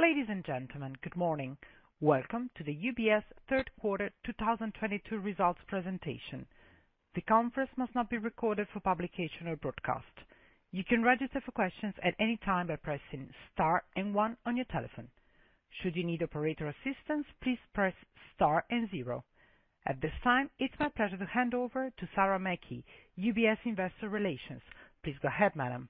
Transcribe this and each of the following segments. Ladies and gentlemen, good morning. Welcome to the UBS Third Quarter 2022 Results Presentation. The conference must not be recorded for publication or broadcast. You can register for questions at any time by pressing star and one on your telephone. Should you need operator assistance, please press star and zero. At this time, it's my pleasure to hand over to Sarah Mackey, UBS Investor Relations. Please go ahead, madam.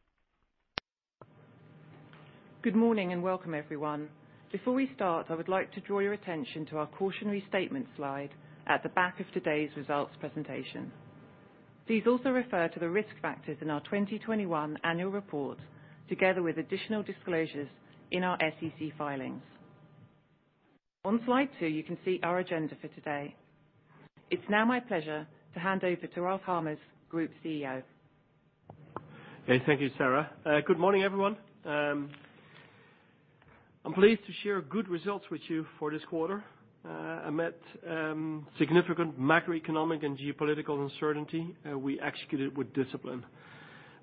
Good morning and welcome, everyone. Before we start, I would like to draw your attention to our cautionary statement slide at the back of today's results presentation. Please also refer to the risk factors in our 2021 annual report, together with additional disclosures in our SEC filings. On slide two, you can see our agenda for today. It's now my pleasure to hand over to Ralph Hamers, Group CEO. Okay. Thank you, Sarah. Good morning, everyone. I'm pleased to share good results with you for this quarter. Amid significant macroeconomic and geopolitical uncertainty, we executed with discipline.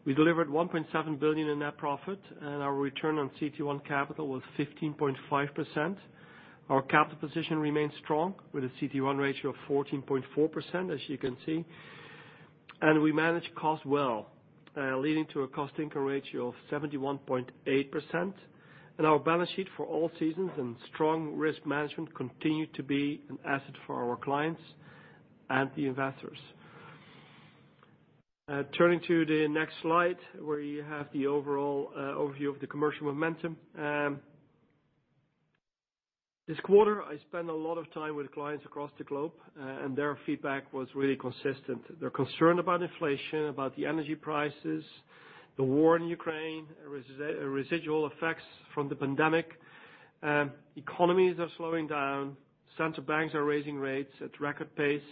We delivered 1.7 billion in net profit, and our return on CET1 capital was 15.5%. Our capital position remains strong, with a CET1 ratio of 14.4%, as you can see. We managed costs well, leading to a cost income ratio of 71.8%. Our balance sheet for all seasons and strong risk management continue to be an asset for our clients and the investors. Turning to the next slide, where you have the overall overview of the commercial momentum. This quarter, I spent a lot of time with clients across the globe, and their feedback was really consistent. They're concerned about inflation, about the energy prices, the war in Ukraine, residual effects from the pandemic. Economies are slowing down, central banks are raising rates at record pace,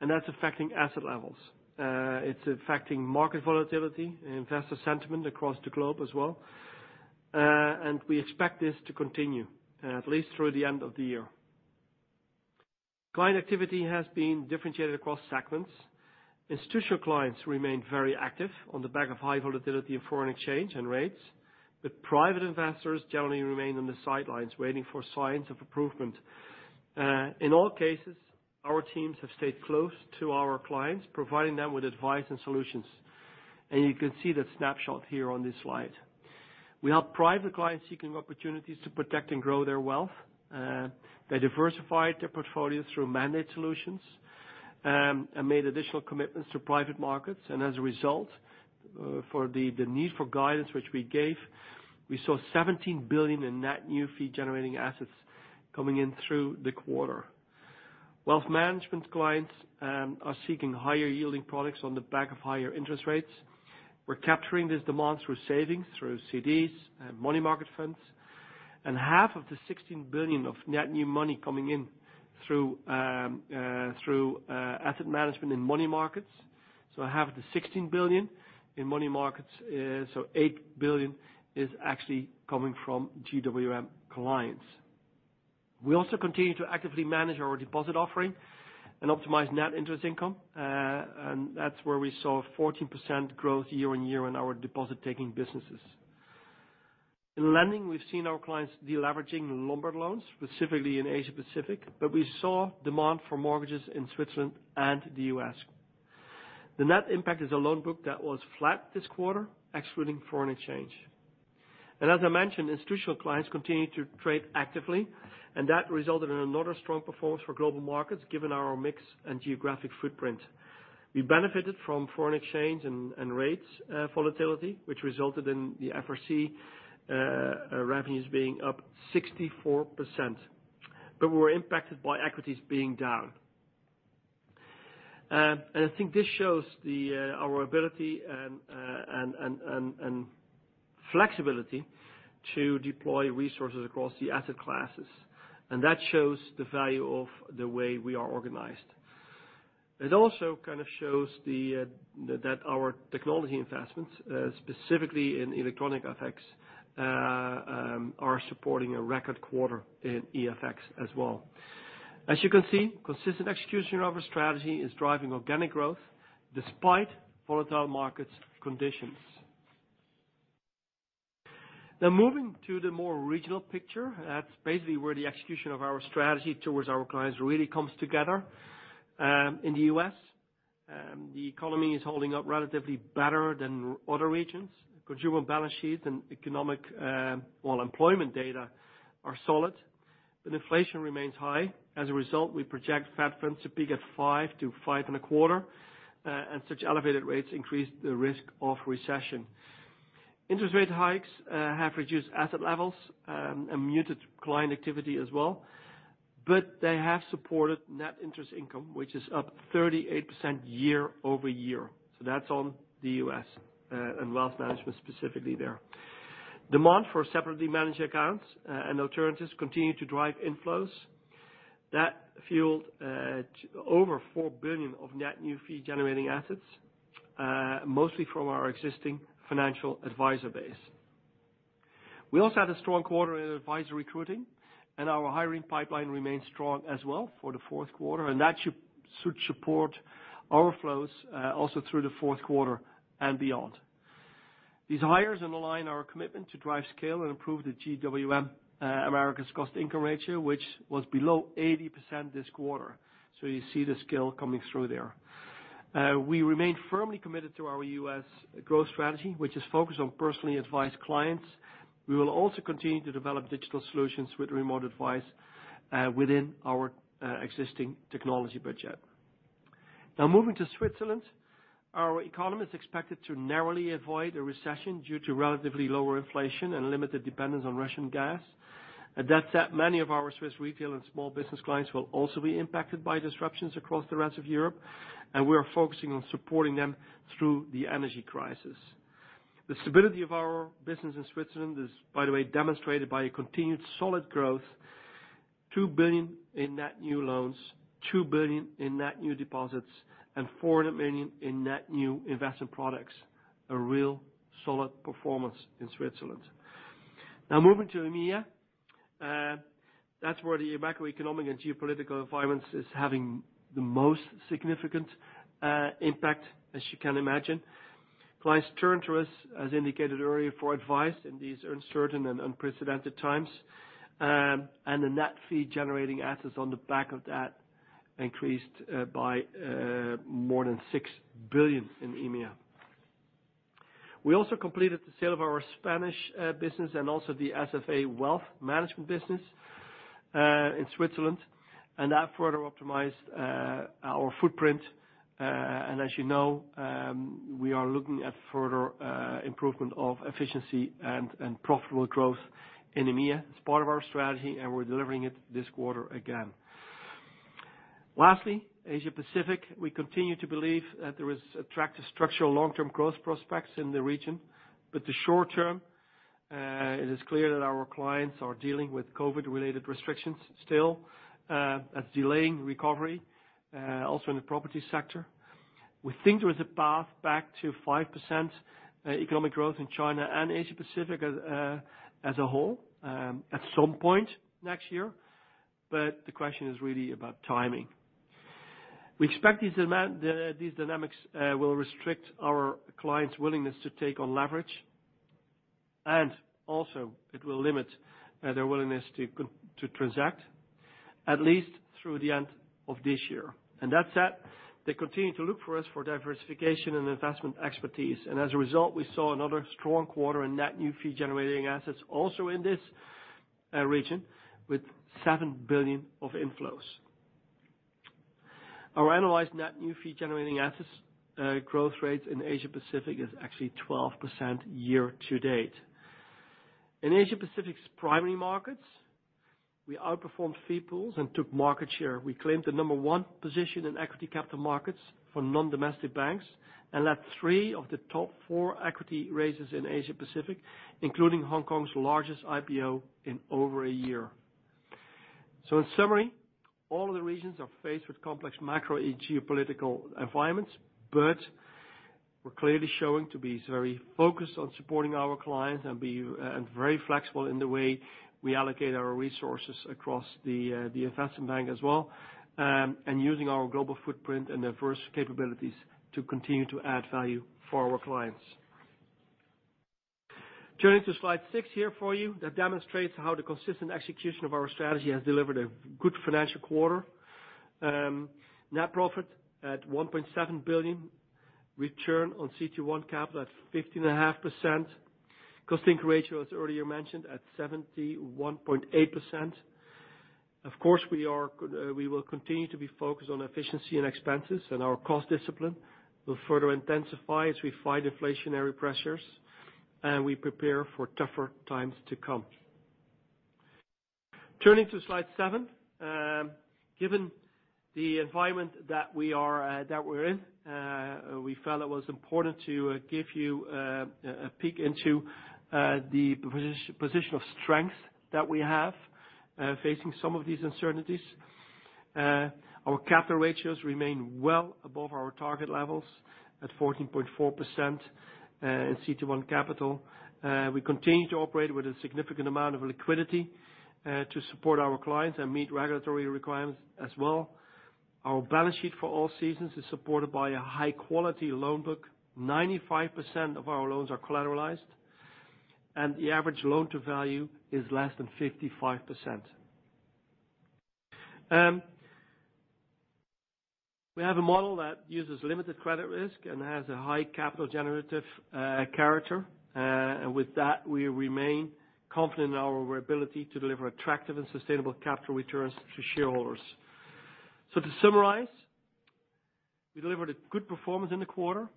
and that's affecting asset levels. It's affecting market volatility and investor sentiment across the globe as well. We expect this to continue at least through the end of the year. Client activity has been differentiated across segments. Institutional clients remain very active on the back of high volatility in foreign exchange and rates, but private investors generally remain on the sidelines waiting for signs of improvement. In all cases, our teams have stayed close to our clients, providing them with advice and solutions. You can see that snapshot here on this slide. We help private clients seeking opportunities to protect and grow their wealth. They diversified their portfolio through mandate solutions and made additional commitments to private markets. As a result, for the need for guidance which we gave, we saw 17 billion in net new fee generating assets coming in through the quarter. Wealth Management clients are seeking higher yielding products on the back of higher interest rates. We're capturing these demands through savings, through CDs and money market funds, and half of the 16 billion of net new money coming in through asset management and money markets. Half of the 16 billion in money markets is 8 billion, actually coming from GWM clients. We also continue to actively manage our deposit offering and optimize net interest income, and that's where we saw 14% growth year-on-year in our deposit-taking businesses. In lending, we've seen our clients deleveraging Lombard loans, specifically in Asia-Pacific, but we saw demand for mortgages in Switzerland and the U.S. The net impact is a loan book that was flat this quarter, excluding foreign exchange. As I mentioned, institutional clients continued to trade actively, and that resulted in another strong performance for Global Markets, given our mix and geographic footprint. We benefited from foreign exchange and rates volatility, which resulted in the FRC revenues being up 64%. We're impacted by equities being down. I think this shows our ability and flexibility to deploy resources across the asset classes, and that shows the value of the way we are organized. It also kind of shows that our technology investments specifically in electronic FX are supporting a record quarter in EFX as well. As you can see, consistent execution of our strategy is driving organic growth despite volatile market conditions. Now moving to the more regional picture. That's basically where the execution of our strategy towards our clients really comes together. In the U.S., the economy is holding up relatively better than other regions. Consumer balance sheets and economic wellbeing, employment data are solid, but inflation remains high. As a result, we project Fed funds to peak at 5-5.25, and such elevated rates increase the risk of recession. Interest rate hikes have reduced asset levels and muted client activity as well, but they have supported net interest income, which is up 38% year-over-year. That's on the U.S. and wealth management specifically there. Demand for separately managed accounts and alternatives continue to drive inflows. That fueled over 4 billion of net new fee generating assets mostly from our existing financial advisor base. We also had a strong quarter in advisory recruiting, and our hiring pipeline remains strong as well for the fourth quarter, and that should support inflows also through the fourth quarter and beyond. These hires underline our commitment to drive scale and improve the GWM Americas cost-income ratio, which was below 80% this quarter. You see the scale coming through there. We remain firmly committed to our U.S. growth strategy, which is focused on personally advised clients. We will also continue to develop digital solutions with remote advice, within our existing technology budget. Now moving to Switzerland, our economists expect it to narrowly avoid a recession due to relatively lower inflation and limited dependence on Russian gas. That said, many of our Swiss retail and small business clients will also be impacted by disruptions across the rest of Europe, and we are focusing on supporting them through the energy crisis. The stability of our business in Switzerland is, by the way, demonstrated by a continued solid growth, 2 billion in net new loans, 2 billion in net new deposits, and 400 million in net new investment products. A real solid performance in Switzerland. Now moving to EMEA, that's where the macroeconomic and geopolitical environments is having the most significant impact, as you can imagine. Clients turn to us, as indicated earlier, for advice in these uncertain and unprecedented times. The net fee-generating assets on the back of that increased by more than 6 billion in EMEA. We also completed the sale of our Spanish business and also the SFA Wealth Management business in Switzerland, and that further optimized our footprint. As you know, we are looking at further improvement of efficiency and profitable growth in EMEA. It's part of our strategy, and we're delivering it this quarter again. Lastly, Asia Pacific, we continue to believe that there is attractive structural long-term growth prospects in the region. In the short term, it is clear that our clients are dealing with COVID-related restrictions still. That's delaying recovery also in the property sector. We think there is a path back to 5% economic growth in China and Asia Pacific as a whole at some point next year, but the question is really about timing. We expect these dynamics will restrict our clients' willingness to take on leverage, and also it will limit their willingness to transact at least through the end of this year. That said, they continue to look for us for diversification and investment expertise. As a result, we saw another strong quarter in net new fee-generating assets also in this region with 7 billion of inflows. Our annualized net new fee-generating assets growth rates in Asia Pacific is actually 12% year-to-date. In Asia Pacific's primary markets, we outperformed fee pools and took market share. We claimed the number one position in equity capital markets for non-domestic banks and led three of the top four equity raises in Asia Pacific, including Hong Kong's largest IPO in over a year. In summary, all of the regions are faced with complex macro geopolitical environments, but we're clearly showing to be very focused on supporting our clients and very flexible in the way we allocate our resources across the investment bank as well, and using our global footprint and diverse capabilities to continue to add value for our clients. Turning to slide six here for you, that demonstrates how the consistent execution of our strategy has delivered a good financial quarter. Net profit at 1.7 billion. Return on CET1 capital at 15.5%. Cost-income ratio, as earlier mentioned, at 71.8%. Of course, we will continue to be focused on efficiency and expenses, and our cost discipline will further intensify as we fight inflationary pressures, and we prepare for tougher times to come. Turning to slide seven. Given the environment that we're in, we felt it was important to give you a peek into the position of strength that we have facing some of these uncertainties. Our capital ratios remain well above our target levels at 14.4% in CET1 capital. We continue to operate with a significant amount of liquidity to support our clients and meet regulatory requirements as well. Our balance sheet for all seasons is supported by a high-quality loan book. 95% of our loans are collateralized, and the average loan-to-value is less than 55%. We have a model that uses limited credit risk and has a high capital generative character. With that, we remain confident in our ability to deliver attractive and sustainable capital returns to shareholders. To summarize, we delivered a good performance in the quarter.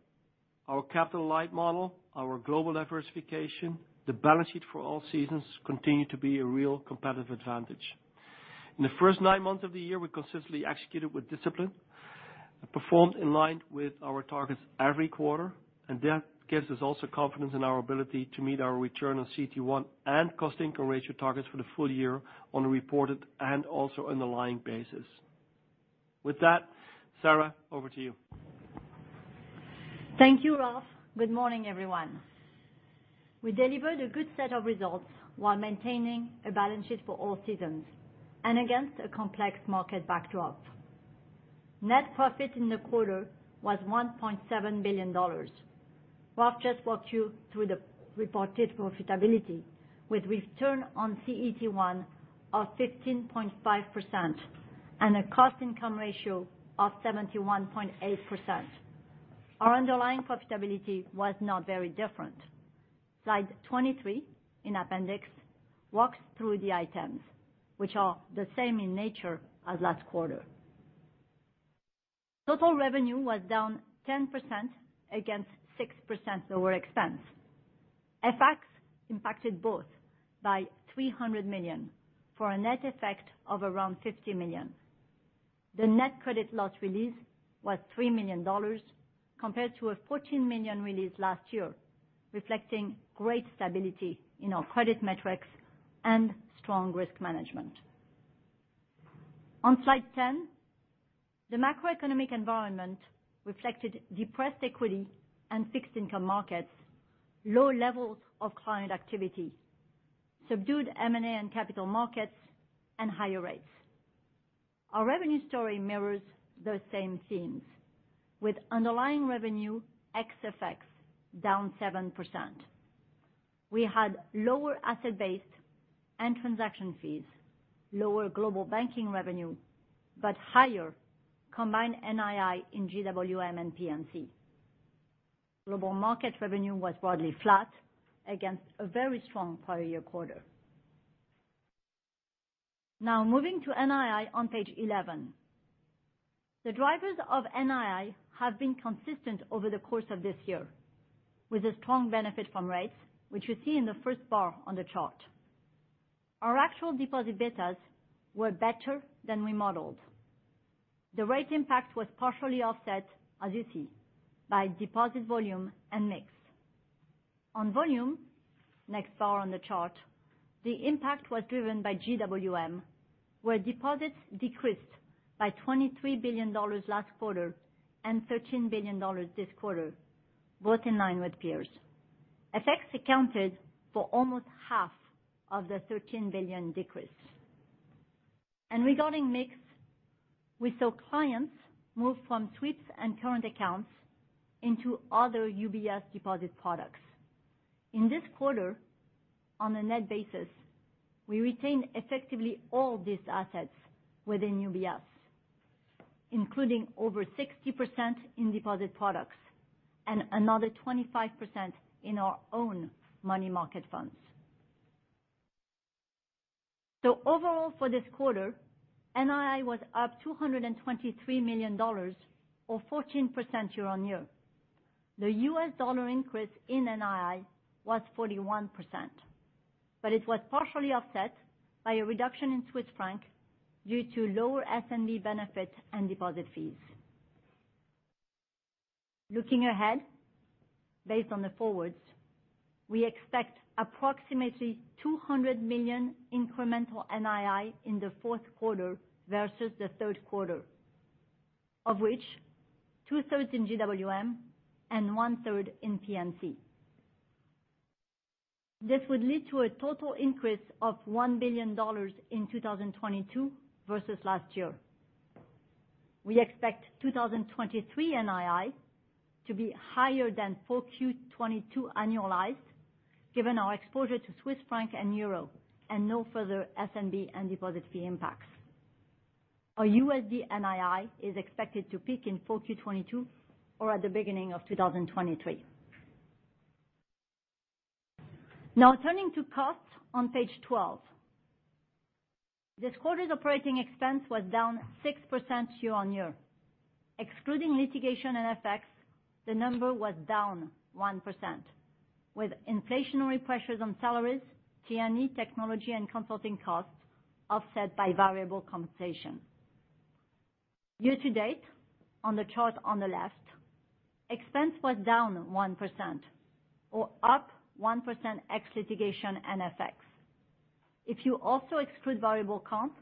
Our capital-light model, our global diversification, the balance sheet for all seasons continue to be a real competitive advantage. In the first nine months of the year, we consistently executed with discipline, performed in line with our targets every quarter, and that gives us also confidence in our ability to meet our return on CET1 and cost-income ratio targets for the full year on a reported and also underlying basis. With that, Sarah, over to you. Thank you, Ralph. Good morning, everyone. We delivered a good set of results while maintaining a balance sheet for all seasons and against a complex market backdrop. Net profit in the quarter was $1.7 billion. Ralph just walked you through the reported profitability with return on CET1 of 15.5% and a cost income ratio of 71.8%. Our underlying profitability was not very different. Slide 23 in appendix walks through the items which are the same in nature as last quarter. Total revenue was down 10% against 6% over expense. FX impacted both by $300 million for a net effect of around $50 million. The net credit loss release was $3 million compared to a $14 million release last year, reflecting great stability in our credit metrics and strong risk management. On slide 10, the macroeconomic environment reflected depressed equity and fixed income markets, low levels of client activity, subdued M&A and capital markets, and higher rates. Our revenue story mirrors those same themes. With underlying revenue, ex-FX down 7%. We had lower asset base and transaction fees, lower Global Banking revenue, but higher combined NII in GWM and P&C. Global Markets revenue was broadly flat against a very strong prior year quarter. Now, moving to NII on page 11. The drivers of NII have been consistent over the course of this year, with a strong benefit from rates, which you see in the first bar on the chart. Our actual deposit betas were better than we modeled. The rate impact was partially offset, as you see, by deposit volume and mix. On volume, next bar on the chart, the impact was driven by GWM, where deposits decreased by $23 billion last quarter and $13 billion this quarter, both in line with peers. FX accounted for almost half of the $13 billion decrease. Regarding mix, we saw clients move from sweeps and current accounts into other UBS deposit products. In this quarter, on a net basis, we retained effectively all these assets within UBS, including over 60% in deposit products and another 25% in our own money market funds. Overall for this quarter, NII was up $223 million or 14% year-on-year. The US dollar increase in NII was 41%, but it was partially offset by a reduction in Swiss franc due to lower SMB benefits and deposit fees. Looking ahead, based on the forwards, we expect approximately 200 million incremental NII in the fourth quarter versus the third quarter, of which 2/3s in GWM and 1/3 in P&C. This would lead to a total increase of $1 billion in 2022 versus last year. We expect 2023 NII to be higher than 4Q22 annualized, given our exposure to Swiss franc and euro and no further SMB and deposit fee impacts. Our $ NII is expected to peak in 4Q22 or at the beginning of 2023. Now, turning to costs on page 12. This quarter's operating expense was down 6% year-on-year. Excluding litigation and FX, the number was down 1%, with inflationary pressures on salaries, T&E, technology, and consulting costs offset by variable compensation. Year to date, on the chart on the left, expense was down 1% or up 1% ex litigation and FX. If you also exclude variable comp,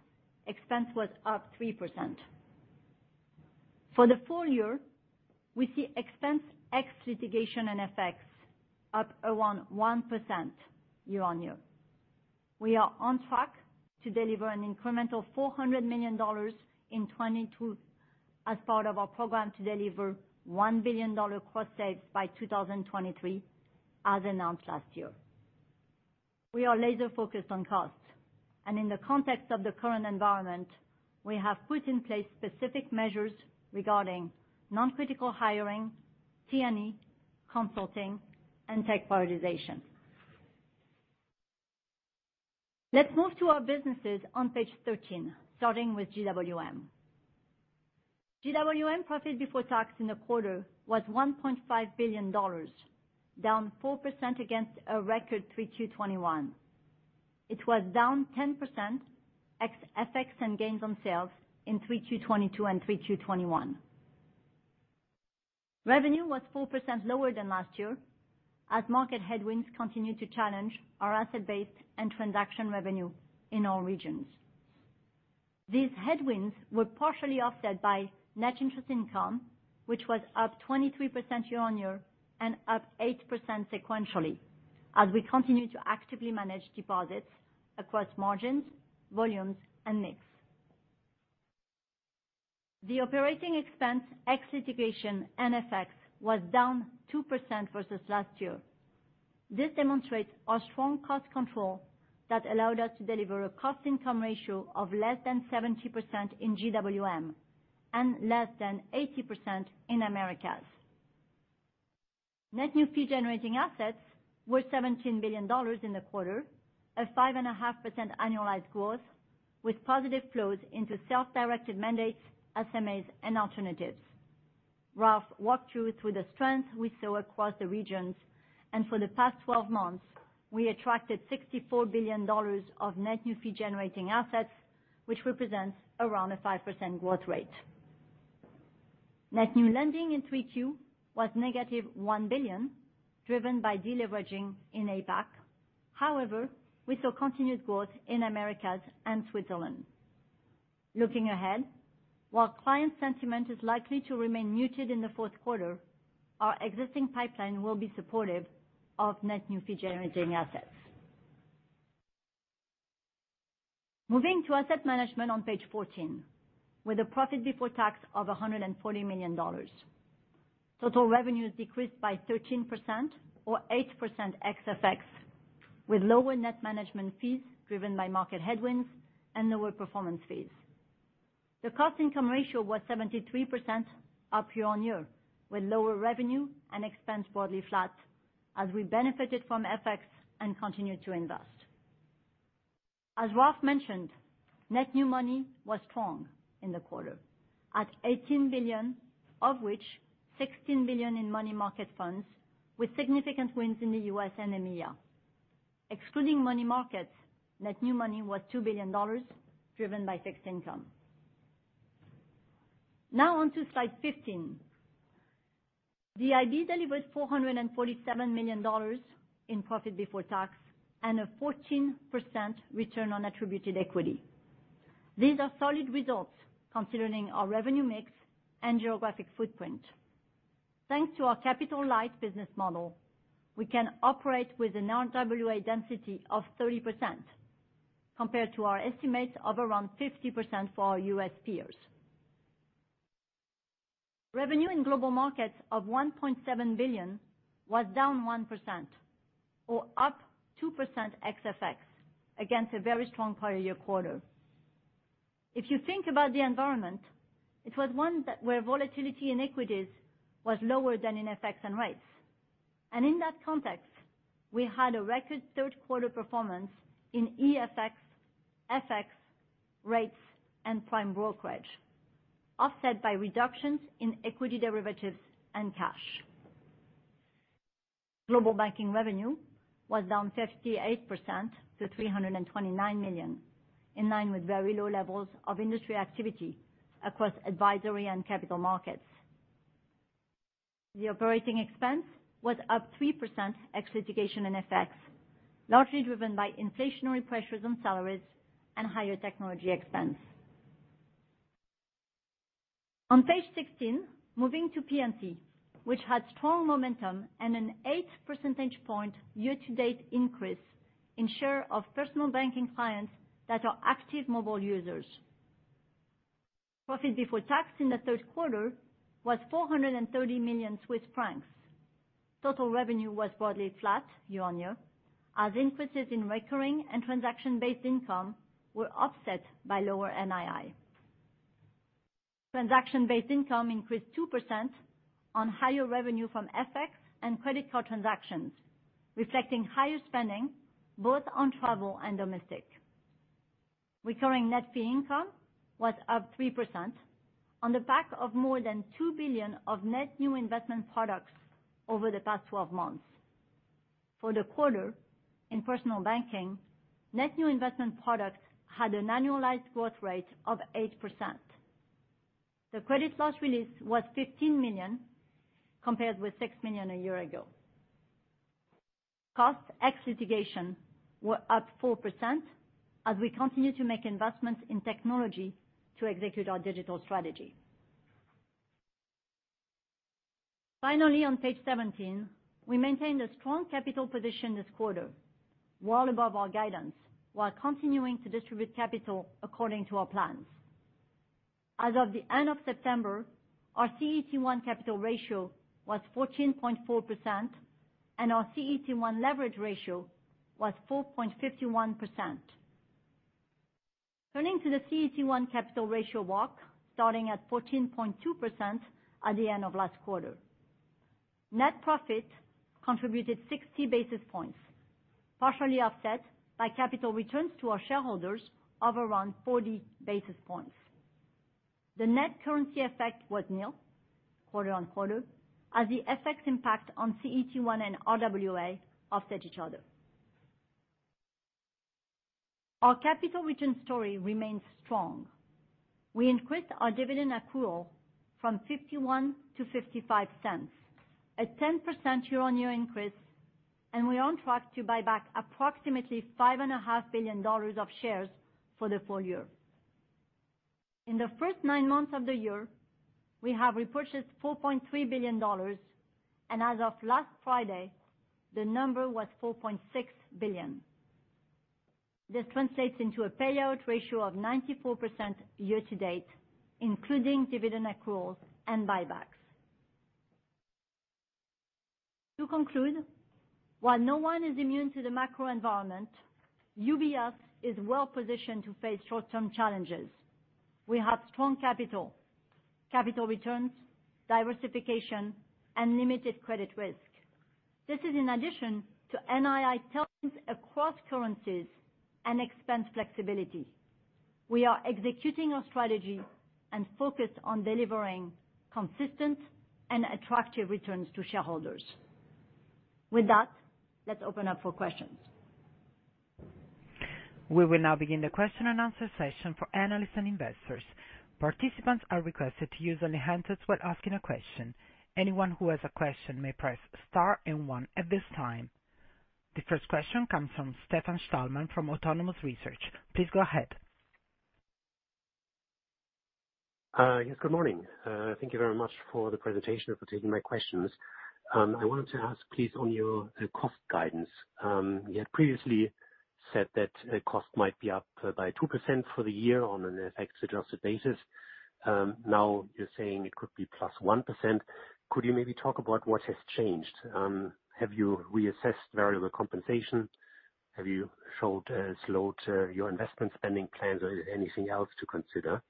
expense was up 3%. For the full year, we see expense ex litigation and FX up around 1% year-on-year. We are on track to deliver an incremental $400 million in 2022 as part of our program to deliver $1 billion cost saves by 2023, as announced last year. We are laser-focused on costs, and in the context of the current environment, we have put in place specific measures regarding non-critical hiring, T&E, consulting, and tech prioritization. Let's move to our businesses on page 13, starting with GWM. GWM profit before tax in the quarter was $1.5 billion, down 4% against a record 3Q21. It was down 10% ex FX and gains on sales in 3Q 2022 and 3Q 2021. Revenue was 4% lower than last year as market headwinds continued to challenge our asset base and transaction revenue in all regions. These headwinds were partially offset by net interest income, which was up 23% year-on-year and up 8% sequentially, as we continue to actively manage deposits across margins, volumes and mix. The operating expense, ex-litigation and FX, was down 2% versus last year. This demonstrates our strong cost control that allowed us to deliver a cost income ratio of less than 70% in GWM and less than 80% in Americas. Net new fee generating assets were $17 billion in the quarter, a 5.5% annualized growth with positive flows into self-directed mandates, SMAs, and alternatives. Ralph walked you through the strength we saw across the regions, and for the past 12 months, we attracted $64 billion of net new fee-generating assets, which represents around a 5% growth rate. Net new lending in 3Q was negative $1 billion, driven by deleveraging in APAC. However, we saw continued growth in Americas and Switzerland. Looking ahead, while client sentiment is likely to remain muted in the fourth quarter, our existing pipeline will be supportive of net new fee-generating assets. Moving to Asset Management on page 14, with a profit before tax of $140 million. Total revenues decreased by 13% or 8% ex FX, with lower net management fees driven by market headwinds and lower performance fees. The cost income ratio was 73% up year-on-year, with lower revenue and expense broadly flat as we benefited from FX and continued to invest. As Ralph mentioned, net new money was strong in the quarter at 18 billion, of which 16 billion in money market funds, with significant wins in the U.S. and EMEA. Excluding money markets, net new money was $2 billion, driven by fixed income. Now on to slide 15. GIB delivered $447 million in profit before tax and a 14% return on attributed equity. These are solid results considering our revenue mix and geographic footprint. Thanks to our capital light business model, we can operate with an RWA density of 30% compared to our estimates of around 50% for our U.S. peers. Revenue in Global Markets of 1.7 billion was down 1% or up 2% ex FX against a very strong prior year quarter. If you think about the environment, it was one where volatility in equities was lower than in FX and rates. In that context, we had a record third quarter performance in EFX, FX, rates, and prime brokerage, offset by reductions in equity derivatives and cash. Global Banking revenue was down 58% to 329 million, in line with very low levels of industry activity across advisory and capital markets. The operating expense was up 3% ex litigation and FX, largely driven by inflationary pressures on salaries and higher technology expense. On page 16, moving to P&C, which had strong momentum and an 8 percentage point year-to-date increase in share of personal banking clients that are active mobile users. Profit before tax in the third quarter was 430 million Swiss francs. Total revenue was broadly flat year-on-year, as increases in recurring and transaction-based income were offset by lower NII. Transaction-based income increased 2% on higher revenue from FX and credit card transactions, reflecting higher spending both on travel and domestic. Recurring net fee income was up 3% on the back of more than 2 billion of net new investment products over the past 12 months. For the quarter, in personal banking, net new investment products had an annualized growth rate of 8%. The credit loss release was 15 million, compared with 6 million a year ago. Cost ex litigation were up 4% as we continue to make investments in technology to execute our digital strategy. Finally, on page 17, we maintained a strong capital position this quarter, well above our guidance, while continuing to distribute capital according to our plans. As of the end of September, our CET1 capital ratio was 14.4% and our CET1 leverage ratio was 4.51%. Turning to the CET1 capital ratio walk, starting at 14.2% at the end of last quarter. Net profit contributed 60 basis points, partially offset by capital returns to our shareholders of around 40 basis points. The net currency effect was nil quarter-on-quarter as the FX impact on CET1 and RWA offset each other. Our capital return story remains strong. We increased our dividend accrual from $0.51-$0.55, a 10% year-on-year increase. We're on track to buy back approximately $5.5 billion of shares for the full year. In the first nine months of the year, we have repurchased $4.3 billion, and as of last Friday, the number was $4.6 billion. This translates into a payout ratio of 94% year-to-date, including dividend accruals and buybacks. To conclude, while no one is immune to the macro environment, UBS is well-positioned to face short-term challenges. We have strong capital returns, diversification and limited credit risk. This is in addition to NII tons across currencies and expense flexibility. We are executing our strategy and focused on delivering consistent and attractive returns to shareholders. With that, let's open up for questions. We will now begin the question and answer session for analysts and investors. Participants are requested to use only hand raise when asking a question. Anyone who has a question may press star and one at this time. The first question comes from Stefan Stalmann from Autonomous Research. Please go ahead. Yes, good morning. Thank you very much for the presentation, for taking my questions. I wanted to ask please on your cost guidance. You had previously said that cost might be up by 2% for the year on an FX adjusted basis. Now you're saying it could be plus 1%. Could you maybe talk about what has changed? Have you reassessed variable compensation? Have you slowed your investment spending plans or anything else to consider?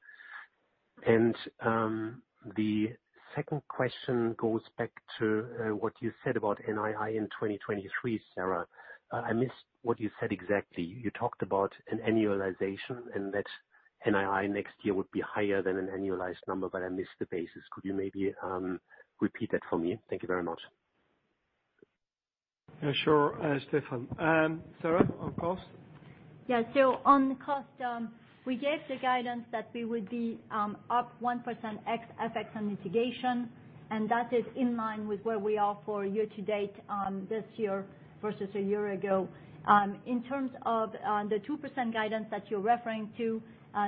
The second question goes back to what you said about NII in 2023, Sarah. I missed what you said exactly. You talked about an annualization and that NII next year would be higher than an annualized number, but I missed the basis. Could you maybe repeat that for me? Thank you very much. Yeah, sure, Stefan. Sarah, on cost. Yeah. On cost, we gave the guidance that we would be up 1% ex FX and litigation, and that is in line with where we are for year to date this year versus a year ago. In terms of the 2% guidance that you're referring to,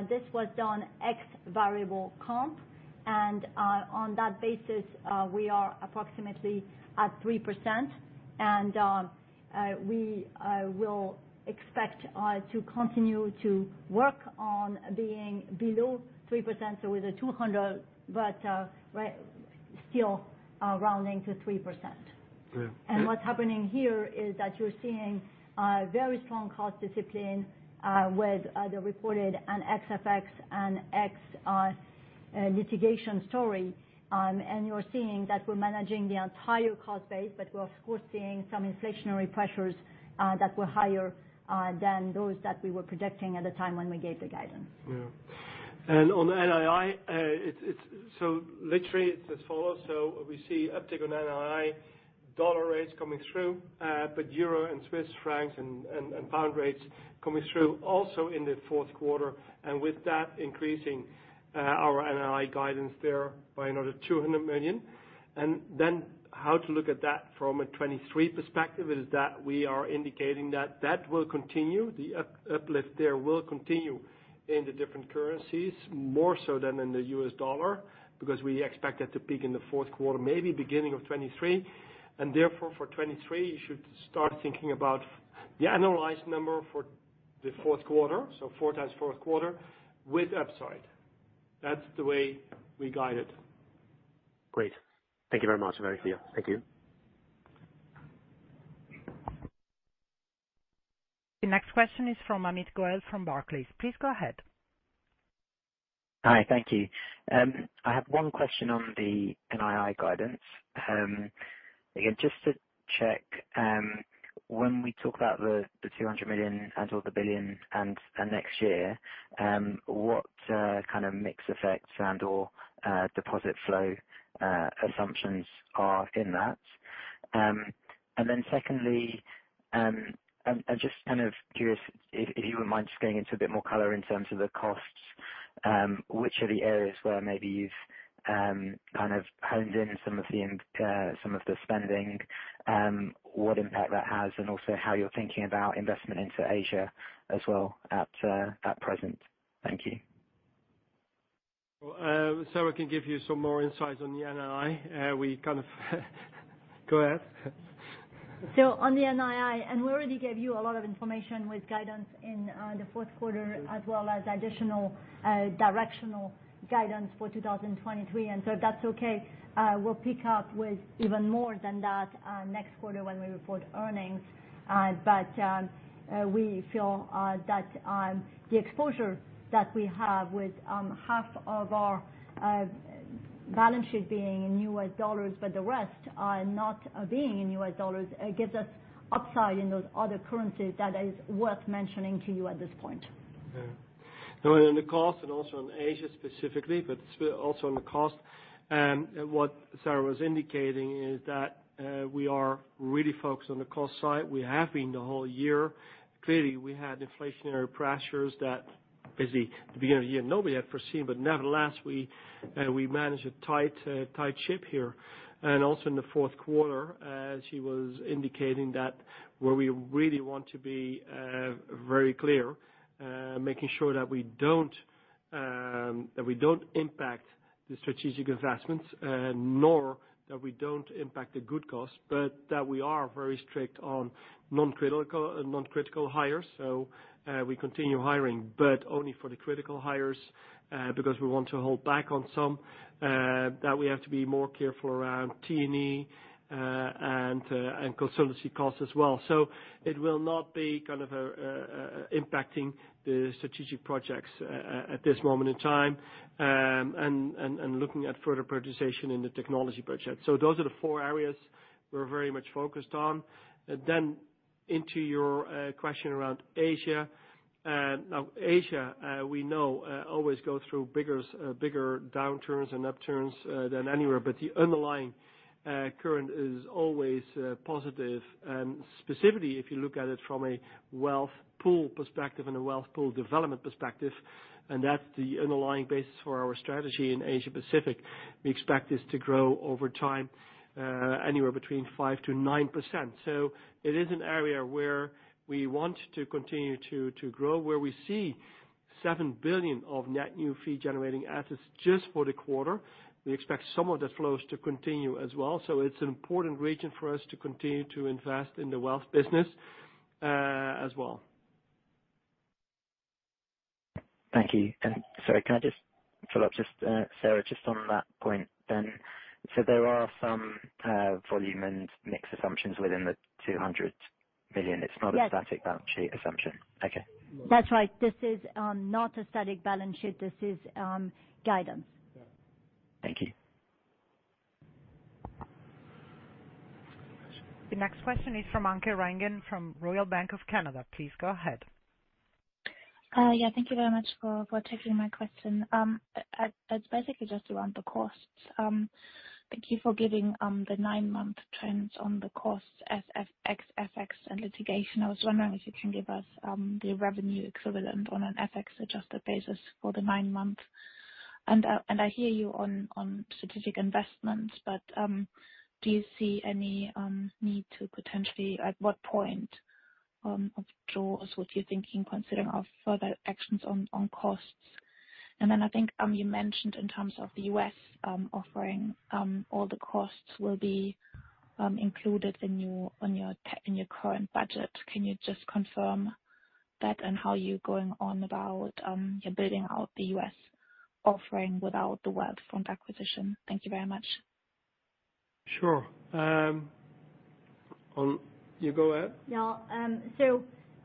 this was done ex variable comp. On that basis, we are approximately at 3%. We will expect to continue to work on being below 3%, but we're still rounding to 3%. Yeah. What's happening here is that you're seeing very strong cost discipline with the reported and ex FX and ex litigation story. You're seeing that we're managing the entire cost base, but we're of course seeing some inflationary pressures that were higher than those that we were projecting at the time when we gave the guidance. Yeah. On NII, it's literally as follows. We see uptick on NII dollar rates coming through, but euro and Swiss francs and pound rates coming through also in the fourth quarter. With that increasing our NII guidance there by another 200 million. Then how to look at that from a 2023 perspective is that we are indicating that that will continue. The uplift there will continue in the different currencies, more so than in the U.S. dollar, because we expect that to peak in the fourth quarter, maybe beginning of 2023. Therefore, for 2023, you should start thinking about the annualized number for the fourth quarter, so 4 times fourth quarter with upside. That's the way we guide it. Great. Thank you very much. Very clear. Thank you. The next question is from Amit Goel from Barclays. Please go ahead. Hi. Thank you. I have one question on the NII guidance. Again, just to check, when we talk about the 200 million and/or the 1 billion and next year, what kind of mix effects and/or deposit flow assumptions are in that? Then secondly, just kind of curious if you wouldn't mind just going into a bit more color in terms of the costs, which are the areas where maybe you've kind of honed in some of the spending, what impact that has and also how you're thinking about investment into Asia as well at present. Thank you. Well, Sarah can give you some more insights on the NII. We kind of go ahead. On the NII, we already gave you a lot of information with guidance in the fourth quarter as well as additional directional guidance for 2023. If that's okay, we'll pick up with even more than that next quarter when we report earnings. We feel that the exposure that we have with half of our balance sheet being in U.S. dollars, but the rest not being in U.S. dollars, gives us upside in those other currencies that is worth mentioning to you at this point. Yeah. Now on the cost and also on Asia specifically, but also on the cost, what Sarah was indicating is that we are really focused on the cost side. We have been the whole year. Clearly, we had inflationary pressures that at the beginning of the year nobody had foreseen, but nevertheless, we managed a tight ship here. Also in the fourth quarter, as she was indicating, we really want to be very clear, making sure that we don't impact the strategic investments, nor that we don't impact the good costs, but that we are very strict on non-critical hires. We continue hiring, but only for the critical hires, because we want to hold back on some that we have to be more careful around T&E and consultancy costs as well. It will not be kind of impacting the strategic projects at this moment in time, and looking at further prioritization in the technology budget. Those are the four areas we're very much focused on. Into your question around Asia. Now Asia, we know always go through bigger downturns and upturns than anywhere, but the underlying current is always positive. Specifically, if you look at it from a wealth pool perspective and a wealth pool development perspective, and that's the underlying basis for our strategy in Asia-Pacific, we expect this to grow over time, anywhere between 5%-9%. It is an area where we want to continue to grow, where we see 7 billion of net new fee generating assets just for the quarter. We expect some of the flows to continue as well. It's an important region for us to continue to invest in the wealth business, as well. Thank you. Sorry, can I just follow up? Just Sarah, just on that point then. There are some volume and mix assumptions within the 200 million. Yes. It's not a static balance sheet assumption. Okay. That's right. This is not a static balance sheet. This is guidance. Thank you. The next question is from Anke Reingen from Royal Bank of Canada. Please go ahead. Yeah. Thank you very much for taking my question. It's basically just around the costs. Thank you for giving the nine-month trends on the costs as FX and litigation. I was wondering if you can give us the revenue equivalent on an FX adjusted basis for the nine months. I hear you on strategic investments, but do you see any need to potentially, at what point of draws, what you're thinking considering of further actions on costs? I think you mentioned in terms of the U.S. offering all the costs will be included in your current budget. Can you just confirm that and how you're going on about your building out the U.S. offering without the Wealthfront acquisition? Thank you very much. Sure. You go ahead. Yeah.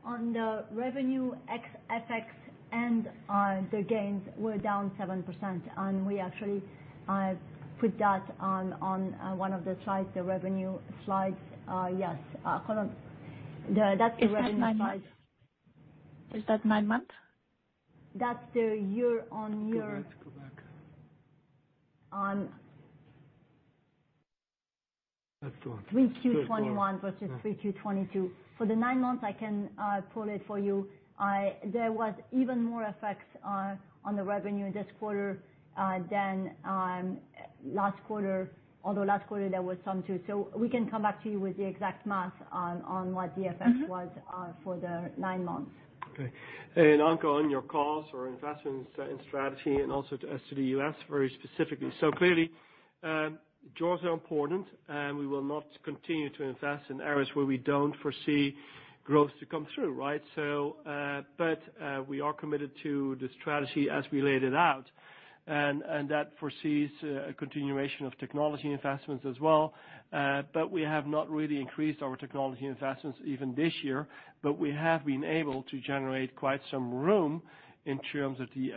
On the revenue ex FX and the gains were down 7%, and we actually put that on one of the slides, the revenue slides. Yes. Hold on. That's the revenue slide. Is that nine months? That's the year-on-year. Go back. Um. That's the one. 3Q21 versus 3Q22. For the nine months, I can pull it for you. There was even more effects on the revenue this quarter than last quarter, although last quarter there was some too. We can come back to you with the exact math on what the effects was for the nine months. Okay. Anke Reingen, on your calls or investments in strategy and also as to the US very specifically. Clearly, draws are important, and we will not continue to invest in areas where we don't foresee growth to come through, right? We are committed to the strategy as we laid it out, and that foresees a continuation of technology investments as well. We have not really increased our technology investments even this year. We have been able to generate quite some room in terms of the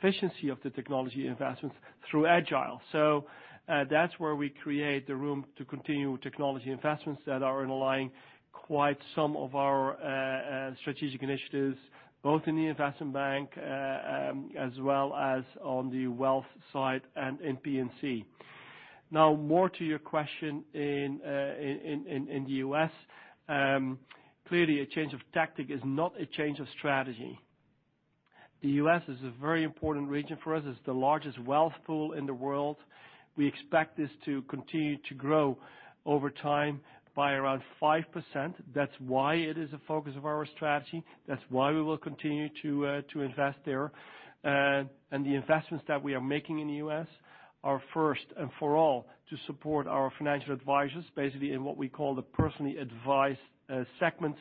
efficiency of the technology investments through Agile. That's where we create the room to continue technology investments that are underlying quite some of our strategic initiatives, both in the investment bank, as well as on the wealth side and in P&C. Now more to your question in the U.S. Clearly a change of tactic is not a change of strategy. The US is a very important region for us. It's the largest wealth pool in the world. We expect this to continue to grow over time by around 5%. That's why it is a focus of our strategy. That's why we will continue to invest there. And the investments that we are making in the U.S. are first and foremost to support our financial advisors, basically in what we call the personally advised segment,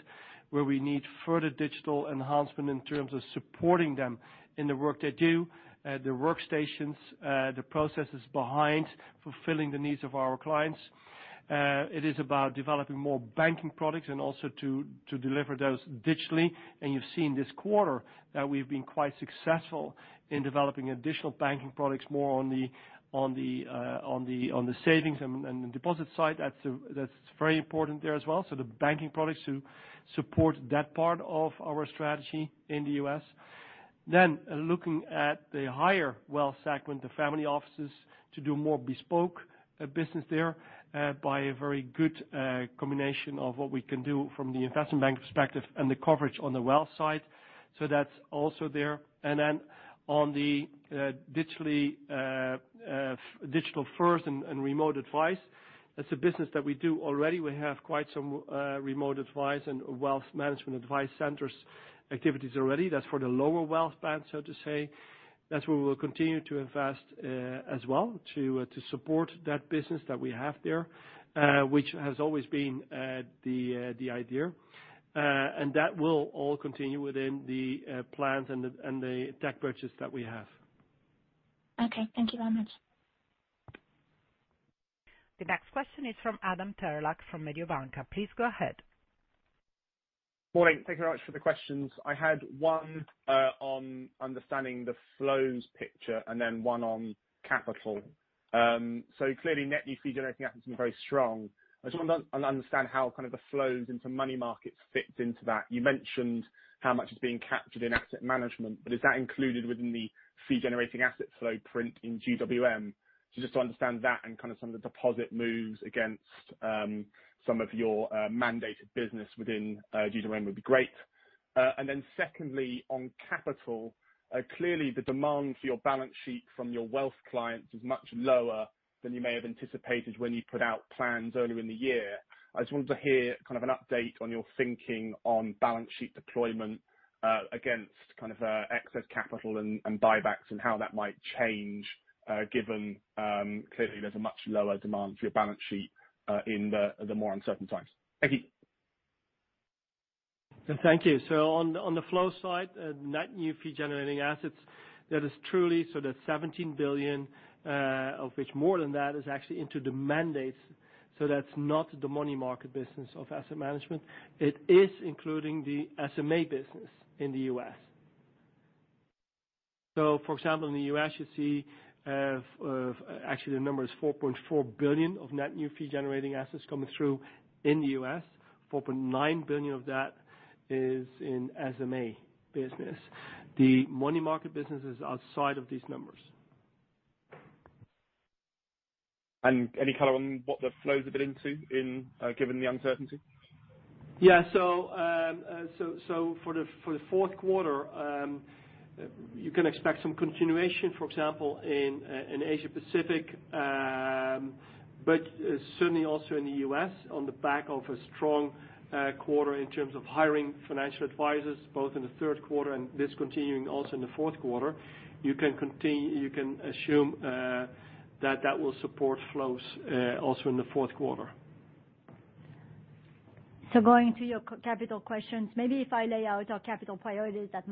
where we need further digital enhancement in terms of supporting them in the work they do, the workstations, the processes behind fulfilling the needs of our clients. It is about developing more banking products and also to deliver those digitally. You've seen this quarter that we've been quite successful in developing additional banking products more on the savings and the deposit side. That's very important there as well. The banking products to support that part of our strategy in the U.S. Looking at the higher wealth segment, the family offices, to do more bespoke business there by a very good combination of what we can do from the investment bank perspective and the coverage on the wealth side. That's also there. On the digital first and remote advice, that's a business that we do already. We have quite some remote advice and wealth management advice centers activities already. That's for the lower wealth band, so to say. That's where we'll continue to invest as well to support that business that we have there, which has always been the idea. That will all continue within the plans and the tech budget that we have. Okay. Thank you very much. The next question is from Adam Terelak from Mediobanca. Please go ahead. Morning. Thank you very much for the questions. I had one on understanding the flows picture and then one on capital. Clearly net new fee generating assets are very strong. I just wanna understand how kind of the flows into money markets fits into that. You mentioned how much is being captured in Asset Management, but is that included within the fee generating asset flow print in GWM? Just to understand that and kind of some of the deposit moves against some of your mandated business within GWM would be great. And then secondly, on capital, clearly the demand for your balance sheet from your wealth clients is much lower than you may have anticipated when you put out plans earlier in the year. I just wanted to hear kind of an update on your thinking on balance sheet deployment against kind of excess capital and buybacks and how that might change given clearly there's a much lower demand for your balance sheet in the more uncertain times. Thank you. Thank you. On the flow side, net new fee generating assets, that is truly so the 17 billion, of which more than that is actually into the mandates, so that's not the money market business of asset management. It is including the SMA business in the U.S. For example, in the U.S. you see, actually the number is 4.4 billion of net new fee generating assets coming through in the U.S. 4.9 billion of that is in SMA business. The money market business is outside of these numbers. Any color on what the flow's a bit into in, given the uncertainty? For the fourth quarter, you can expect some continuation, for example, in Asia Pacific, but certainly also in the U.S. on the back of a strong quarter in terms of hiring financial advisors, both in the third quarter and continuing also in the fourth quarter. You can assume that that will support flows also in the fourth quarter. Going to your capital questions, maybe if I lay out our capital priorities, that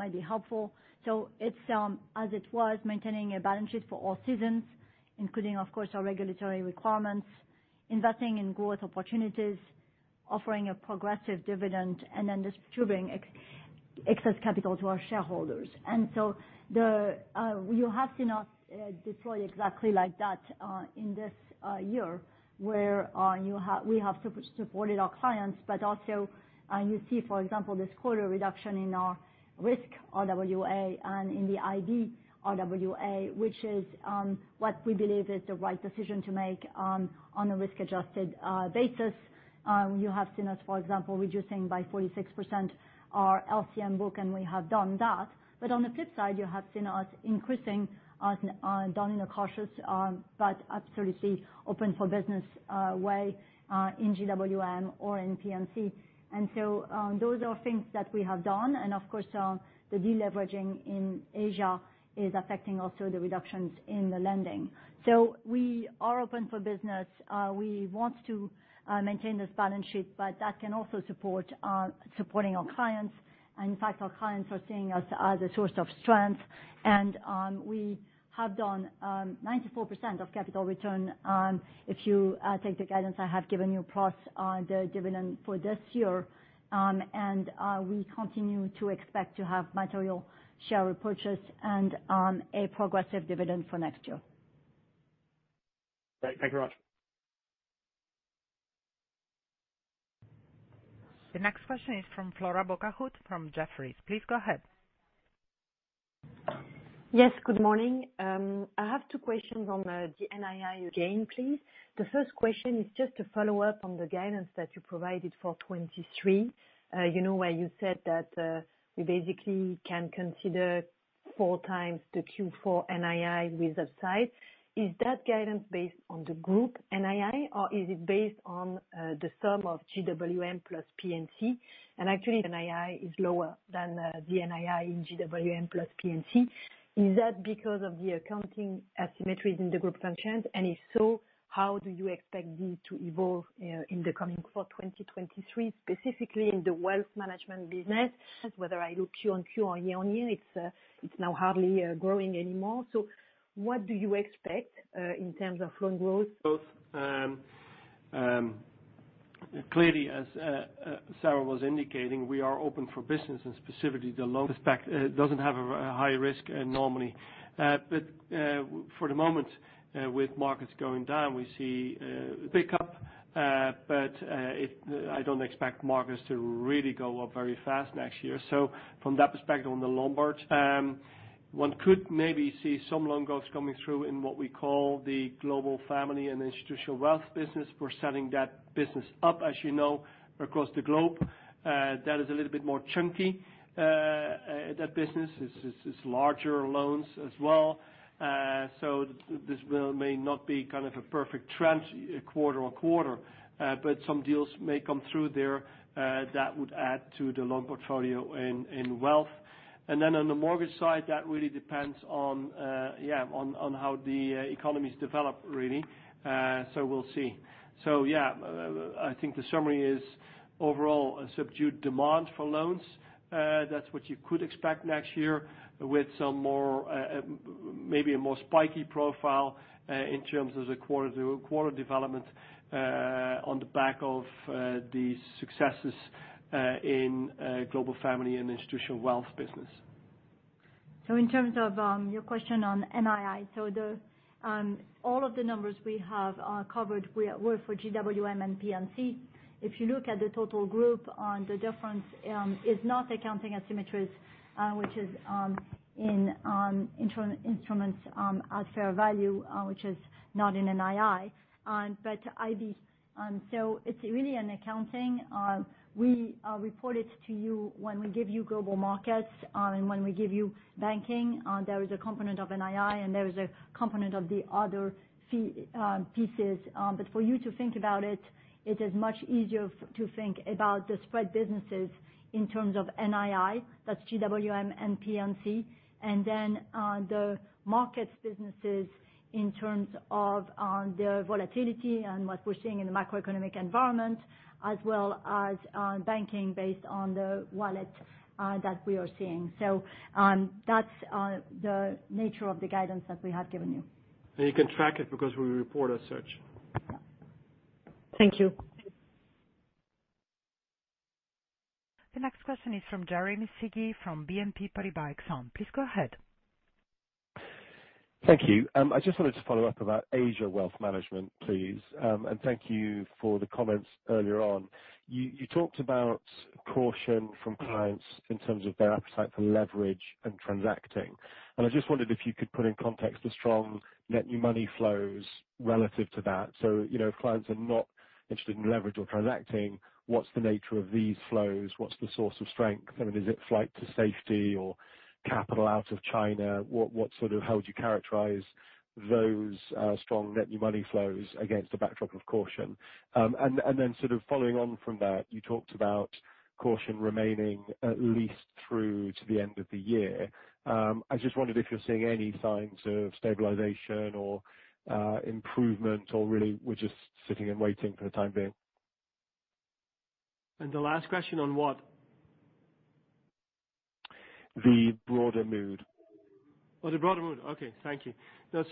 might be helpful. It's as it was, maintaining a balance sheet for all seasons, including, of course, our regulatory requirements, investing in growth opportunities, offering a progressive dividend, and then distributing excess capital to our shareholders. You have seen us deploy exactly like that in this year where we have supported our clients, but also you see, for example, this quarter reduction in our risk RWA and in the IB RWA, which is what we believe is the right decision to make on a risk-adjusted basis. You have seen us, for example, reducing by 46% our LCM book, and we have done that. On the flip side, you have seen us increasing done in a cautious but absolutely open for business way in GWM or in P&C. Those are things that we have done. Of course, the deleveraging in Asia is affecting also the reductions in the lending. We are open for business. We want to maintain this balance sheet, but that can also support our clients. In fact, our clients are seeing us as a source of strength. We have done 94% of capital return, if you take the guidance I have given you plus the dividend for this year. We continue to expect to have material share repurchase and a progressive dividend for next year. Thank you very much. The next question is from Flora Bocahut from Jefferies. Please go ahead. Yes, good morning. I have two questions on the NII again, please. The first question is just a follow-up on the guidance that you provided for 2023. You know, where you said that, we basically can consider four times the Q4 NII result size. Is that guidance based on the group NII, or is it based on, the sum of GWM plus P&C? And actually NII is lower than, the NII in GWM plus P&C. Is that because of the accounting asymmetries in the group functions? And if so, how do you expect these to evolve, in the coming year for 2023, specifically in the wealth management business? Whether I do Q-on-Q or year-on-year, it's now hardly growing anymore. What do you expect in terms of loan growth? Clearly, as Sarah was indicating, we are open for business and specifically the Lombard doesn't have a very high risk normally. For the moment, with markets going down, we see pick up, but I don't expect markets to really go up very fast next year. From that perspective on the Lombards, one could maybe see some loan growth coming through in what we call the global family and institutional wealth business. We're setting that business up as you know, across the globe. That is a little bit more chunky, that business. It's larger loans as well. This may not be kind of a perfect trend quarter on quarter, but some deals may come through there, that would add to the loan portfolio in wealth. On the mortgage side, that really depends on how the economies develop really. We'll see. I think the summary is overall a subdued demand for loans. That's what you could expect next year with some more maybe a more spiky profile in terms of the quarter-to-quarter development on the back of the successes in global family and institutional wealth business. In terms of your question on NII. All of the numbers we have covered were for GWM and P&C. If you look at the total group on the difference is not accounting asymmetries, which is in instruments at fair value, which is not in NII, but IB. It's really an accounting. We report it to you when we give you global markets, and when we give you banking, there is a component of NII and there is a component of the other fee pieces. For you to think about it is much easier to think about the spread businesses in terms of NII, that's GWM and P&C, and then the markets businesses in terms of the volatility and what we're seeing in the macroeconomic environment as well as banking based on the wallet that we are seeing. That's the nature of the guidance that we have given you. You can track it because we report as such. Thank you. The next question is from Jeremy Sigee from Exane BNP Paribas. Please go ahead. Thank you. I just wanted to follow up about Asia Wealth Management, please. Thank you for the comments earlier on. You talked about caution from clients in terms of their appetite for leverage and transacting, and I just wondered if you could put in context the strong net new money flows relative to that. You know, clients are not interested in leverage or transacting. What's the nature of these flows? What's the source of strength? I mean, is it flight to safety or capital out of China? What sort of how would you characterize those strong net new money flows against the backdrop of caution? Sort of following on from that, you talked about caution remaining at least through to the end of the year. I just wondered if you're seeing any signs of stabilization or improvement or really we're just sitting and waiting for the time being? The last question on what? The broader mood. Oh, the broader mood. Okay. Thank you. The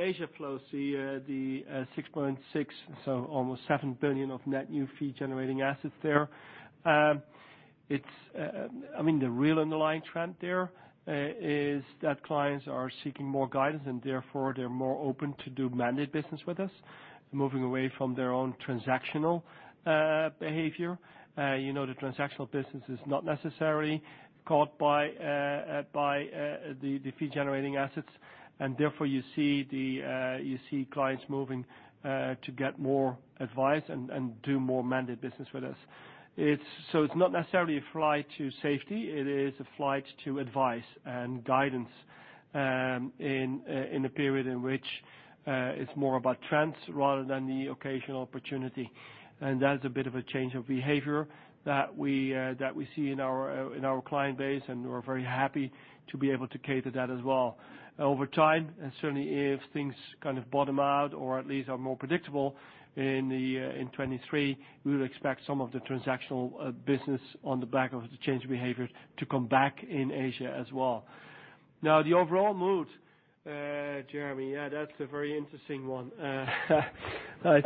Asia flows, 6.6, so almost 7 billion of net new fee generating assets there. It's, I mean, the real underlying trend there is that clients are seeking more guidance and therefore they're more open to do mandate business with us, moving away from their own transactional behavior. You know, the transactional business is not necessarily caught by the fee generating assets, and therefore you see clients moving to get more advice and do more mandate business with us. It's not necessarily a flight to safety. It is a flight to advice and guidance in a period in which it's more about trends rather than the occasional opportunity. That is a bit of a change of behavior that we see in our client base, and we're very happy to be able to cater that as well. Over time, and certainly if things kind of bottom out or at least are more predictable in 2023, we would expect some of the transactional business on the back of the change in behavior to come back in Asia as well. Now, the overall mood, Jeremy, yeah, that's a very interesting one. I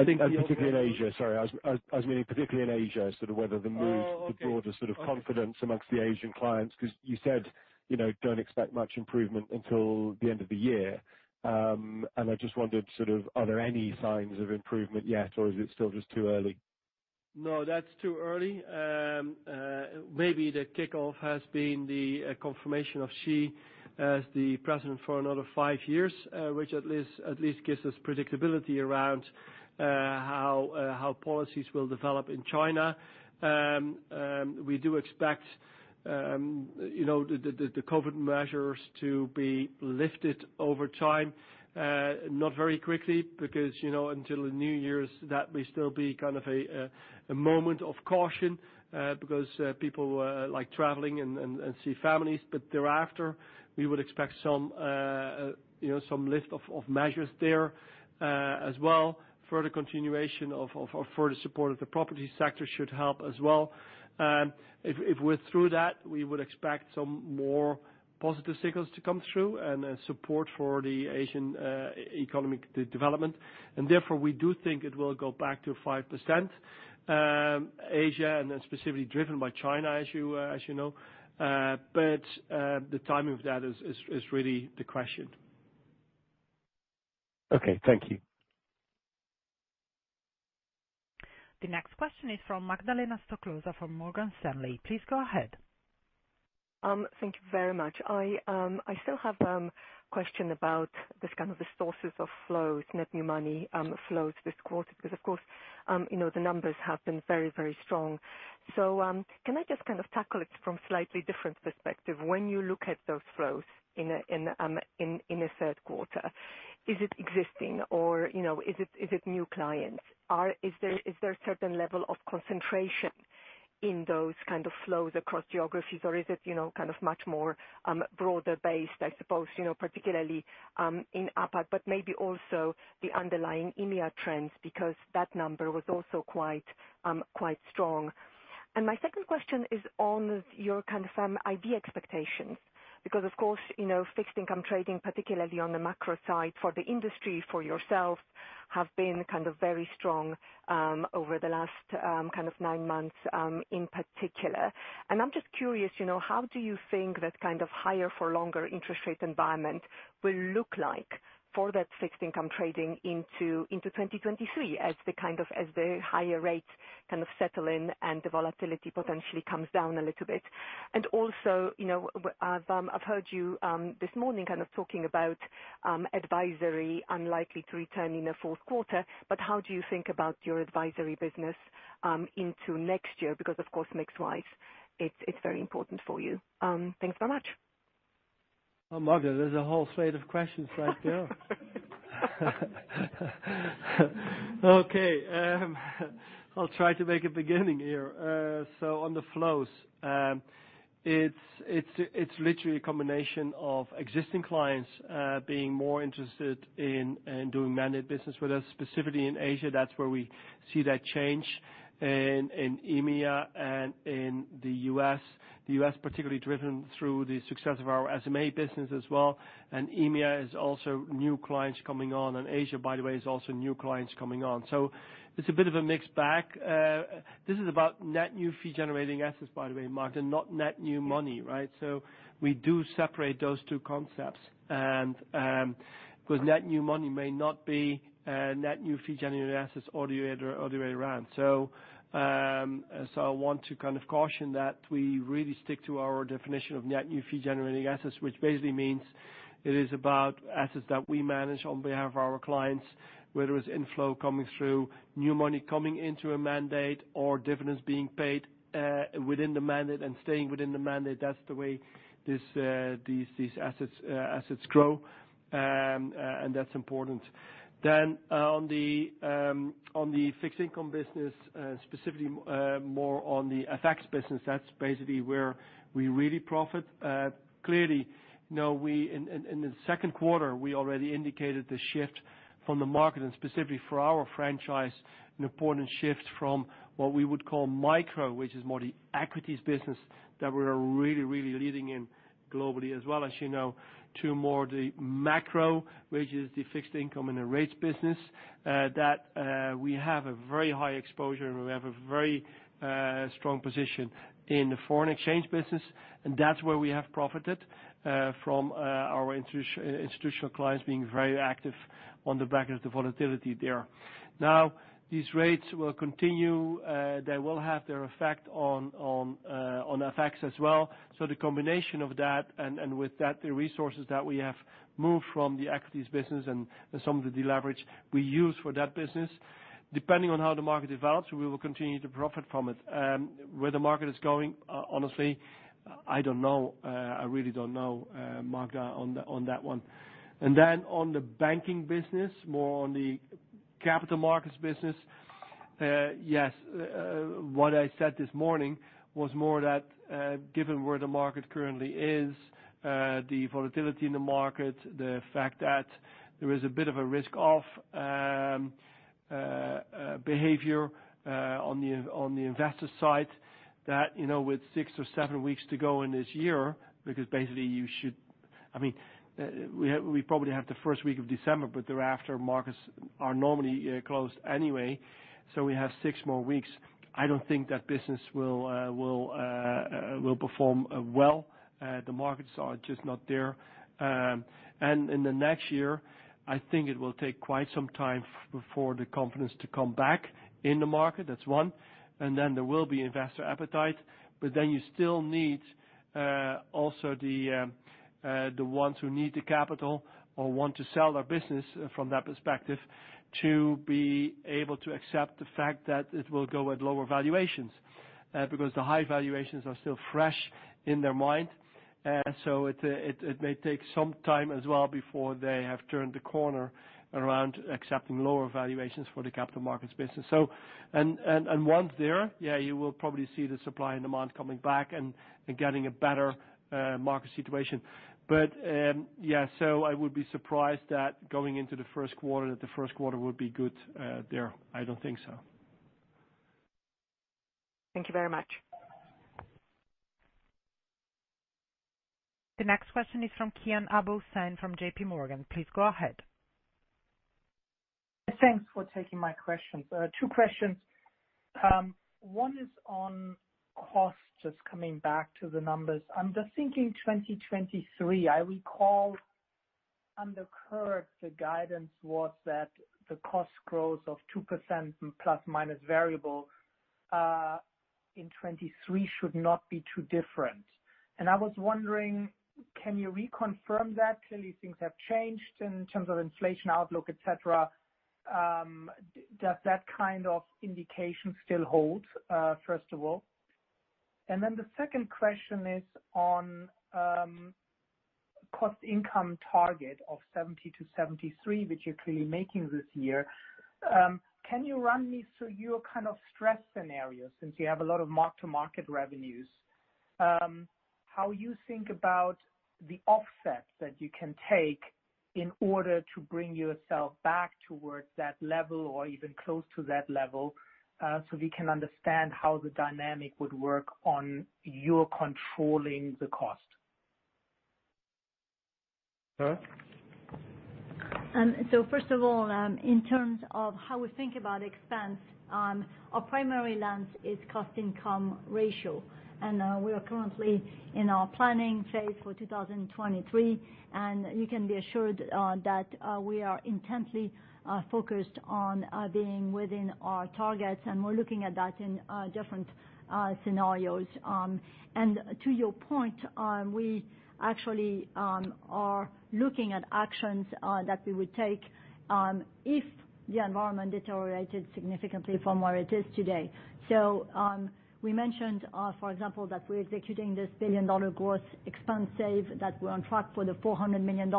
think- particularly in Asia. Sorry. I was meaning particularly in Asia, sort of whether the mood Oh, okay. The broader sort of confidence among the Asian clients, 'cause you said, you know, don't expect much improvement until the end of the year. I just wondered, sort of are there any signs of improvement yet, or is it still just too early? No, that's too early. Maybe the kickoff has been the confirmation of Xi as the president for another five years, which at least gives us predictability around how policies will develop in China. We do expect, you know, the COVID measures to be lifted over time, not very quickly because, you know, until the New Year's, that may still be kind of a moment of caution, because people like traveling and see families. Thereafter, we would expect some, you know, some lift of measures there, as well. Further continuation of further support of the property sector should help as well. If we're through that, we would expect some more positive signals to come through and support for the Asian economic development. Therefore, we do think it will go back to 5%, Asia and then specifically driven by China, as you know. The timing of that is really the question. Okay. Thank you. The next question is from Magdalena Stoklosa from Morgan Stanley. Please go ahead. Thank you very much. I still have question about this kind of the sources of flows, net new money, flows this quarter because, of course, you know, the numbers have been very, very strong. Can I just kind of tackle it from slightly different perspective? When you look at those flows in the third quarter, is it existing or, you know, is it new clients? Is there a certain level of concentration in those kind of flows across geographies, or is it, you know, kind of much more broader-based, I suppose, you know, particularly in APAC, but maybe also the underlying EMEA trends because that number was also quite strong. My second question is on your kind of IB expectations because of course, you know, fixed income trading, particularly on the macro side for the industry, for yourself, have been kind of very strong over the last kind of nine months in particular. I'm just curious, you know, how do you think that kind of higher for longer interest rate environment will look like for that fixed income trading into 2023 as the kind of, as the higher rates kind of settle in and the volatility potentially comes down a little bit. I've heard you this morning kind of talking about advisory unlikely to return in the fourth quarter, but how do you think about your advisory business into next year? Because, of course, mix wise, it's very important for you. Thanks so much. Oh, Magda, there's a whole slate of questions right there. Okay. I'll try to make a beginning here. So on the flows, it's literally a combination of existing clients being more interested in doing managed business with us, specifically in Asia. That's where we see that change. In EMEA and in the U.S., the U.S. particularly driven through the success of our SMA business as well, and EMEA is also new clients coming on, and Asia, by the way, is also new clients coming on. So it's a bit of a mix back. This is about net new fee generating assets, by the way, Magda, not net new money, right? So we do separate those two concepts and 'cause net new money may not be net new fee generating assets or the other way around. I want to kind of caution that we really stick to our definition of net new fee generating assets, which basically means it is about assets that we manage on behalf of our clients, whether it's inflow coming through, new money coming into a mandate or dividends being paid within the mandate and staying within the mandate. That's the way these assets grow. That's important. On the fixed income business, specifically, more on the FX business, that's basically where we really profit. Clearly, you know, we In the second quarter, we already indicated the shift from the market and specifically for our franchise, an important shift from what we would call micro, which is more the equities business that we are really leading in globally as well as you know, to more the macro, which is the fixed income and the rates business, that we have a very high exposure and we have a very strong position in the foreign exchange business. That's where we have profited from our institutional clients being very active on the back of the volatility there. Now, these rates will continue. They will have their effect on FX as well. The combination of that and with that, the resources that we have moved from the equities business and some of the leverage we use for that business, depending on how the market develops, we will continue to profit from it. Where the market is going, honestly, I don't know. I really don't know, Magda, on that one. On the banking business, more on the capital markets business, yes, what I said this morning was more that, given where the market currently is, the volatility in the market, the fact that there is a bit of a risk of risk-off behavior on the investor side that you know with six or seven weeks to go in this year, because basically you should. I mean, we probably have the first week of December, but thereafter markets are normally closed anyway, so we have six more weeks. I don't think that business will perform well. The markets are just not there. In the next year, I think it will take quite some time for the confidence to come back in the market. That's one. There will be investor appetite, but then you still need also the ones who need the capital or want to sell their business from that perspective, to be able to accept the fact that it will go at lower valuations, because the high valuations are still fresh in their mind. It may take some time as well before they have turned the corner around accepting lower valuations for the capital markets business. And once there, you will probably see the supply and demand coming back and getting a better market situation. I would be surprised that going into the first quarter, that the first quarter would be good there. I don't think so. Thank you very much. The next question is from Kian Abouhossein from JPMorgan. Please go ahead. Thanks for taking my questions. Two questions. One is on costs, just coming back to the numbers. I'm just thinking 2023. I recall under current, the guidance was that the cost growth of 2% plus minus variable in 2023 should not be too different. I was wondering, can you reconfirm that? Clearly things have changed in terms of inflation outlook, etc. Does that kind of indication still hold, first of all? Then the second question is on cost income target of 70%-73%, which you're clearly making this year. Can you run me through your kind of stress scenario since you have a lot of mark-to-market revenues? How you think about the offset that you can take in order to bring yourself back towards that level or even close to that level, so we can understand how the dynamic would work on your controlling the cost? Sarah? First of all, in terms of how we think about expense, our primary lens is cost-income ratio. We are currently in our planning phase for 2023, and you can be assured that we are intensely focused on being within our targets, and we're looking at that in different scenarios. To your point, we actually are looking at actions that we would take if the environment deteriorated significantly from where it is today. We mentioned, for example, that we're executing this $1 billion-dollar growth expense save, that we're on track for the $400 million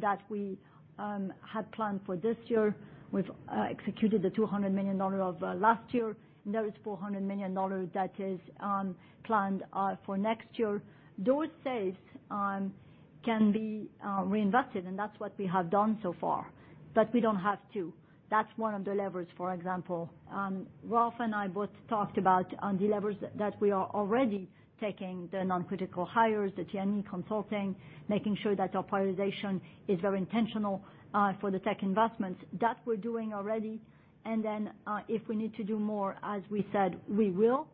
that we had planned for this year. We've executed the $200 million of last year. There is $400 million that is planned for next year. Those saves can be reinvested, and that's what we have done so far. We don't have to. That's one of the levers, for example. Ralph and I both talked about on the levers that we are already taking, the non-critical hires, the T&E consulting, making sure that our prioritization is very intentional for the tech investments. That we're doing already. Then, if we need to do more, as we said, we will.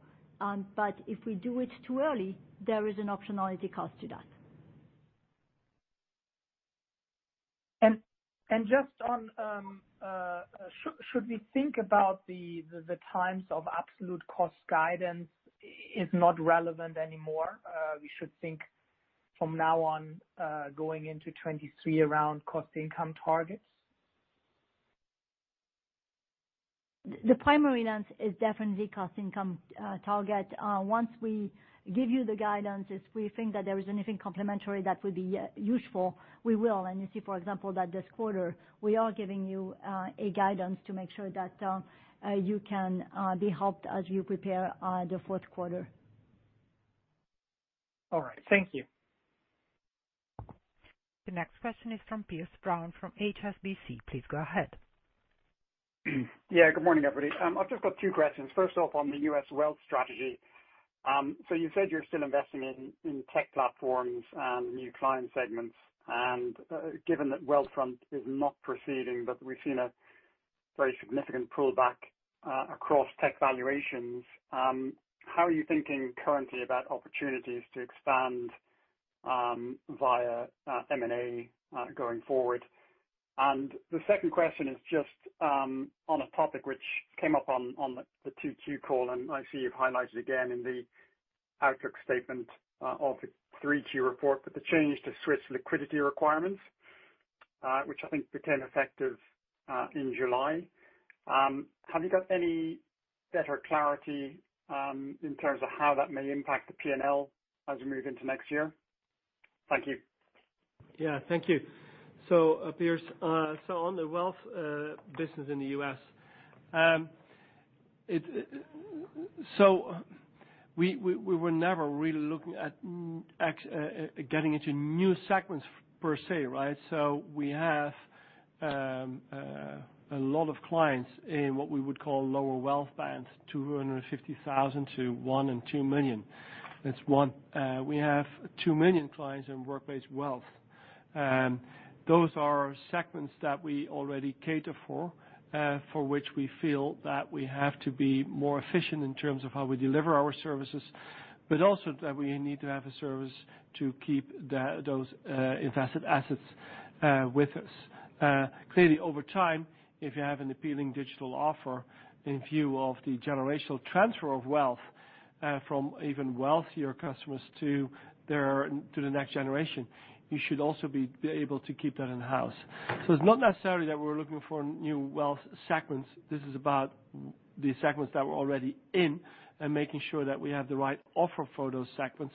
If we do it too early, there is an optionality cost to that. Just on, should we think about the times of absolute cost guidance is not relevant anymore? We should think from now on, going into 2023 around cost-income targets? The primary lens is definitely cost-income target. Once we give you the guidance, if we think that there is anything complementary that would be useful, we will. You see, for example, that this quarter, we are giving you a guidance to make sure that you can be helped as you prepare the fourth quarter. All right. Thank you. The next question is from Piers Brown from HSBC. Please go ahead. Good morning, everybody. I've just got two questions. First off on the U.S. wealth strategy. So you said you're still investing in tech platforms and new client segments, and given that Wealthfront is not proceeding, but we've seen a very significant pullback across tech valuations, how are you thinking currently about opportunities to expand via M&A going forward? The second question is just on a topic which came up on the 2Q call, and I see you've highlighted again in the outlook statement of the 3Q report, but the change to Swiss liquidity requirements, which I think became effective in July. Have you got any better clarity in terms of how that may impact the P&L as we move into next year? Thank you. Yeah. Thank you. Piers, on the wealth business in the U.S. We were never really looking at getting into new segments per se, right? We have a lot of clients in what we would call lower wealth bands, $250,000 to $1-$2 million. That's one. We have two million clients in work-based wealth. Those are segments that we already cater for which we feel that we have to be more efficient in terms of how we deliver our services, but also that we need to have a service to keep those invested assets with us. Clearly over time, if you have an appealing digital offer in view of the generational transfer of wealth from even wealthier customers to the next generation, you should also be able to keep that in-house. It's not necessarily that we're looking for new wealth segments. This is about the segments that we're already in and making sure that we have the right offer for those segments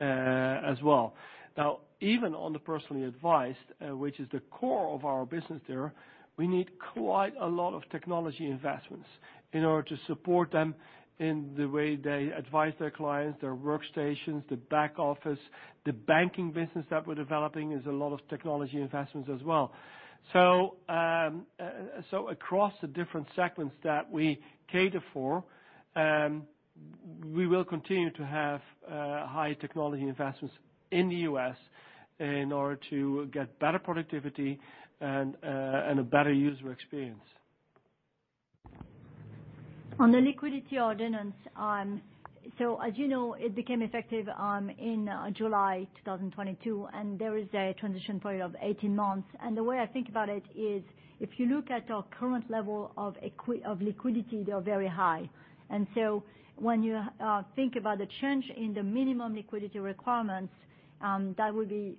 as well. Now, even on the personally advised, which is the core of our business there, we need quite a lot of technology investments in order to support them in the way they advise their clients, their workstations, the back office. The banking business that we're developing is a lot of technology investments as well. Across the different segments that we cater for, we will continue to have high technology investments in the U.S. in order to get better productivity and a better user experience. On the Liquidity Ordinance, as you know, it became effective in July 2022, and there is a transition period of 18 months. The way I think about it is if you look at our current level of liquidity, they are very high. When you think about the change in the minimum liquidity requirements, that would be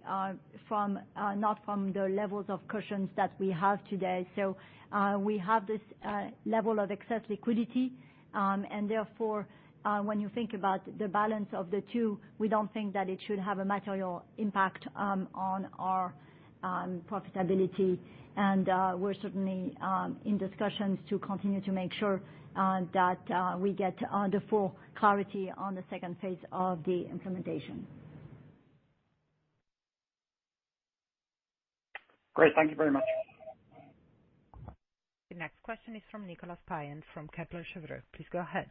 not from the levels of cushions that we have today. We have this level of excess liquidity. Therefore, when you think about the balance of the two, we don't think that it should have a material impact on our profitability. We're certainly in discussions to continue to make sure that we get the full clarity on the second phase of the implementation. Great. Thank you very much. The next question is from Nicolas Payen from Kepler Cheuvreux. Please go ahead.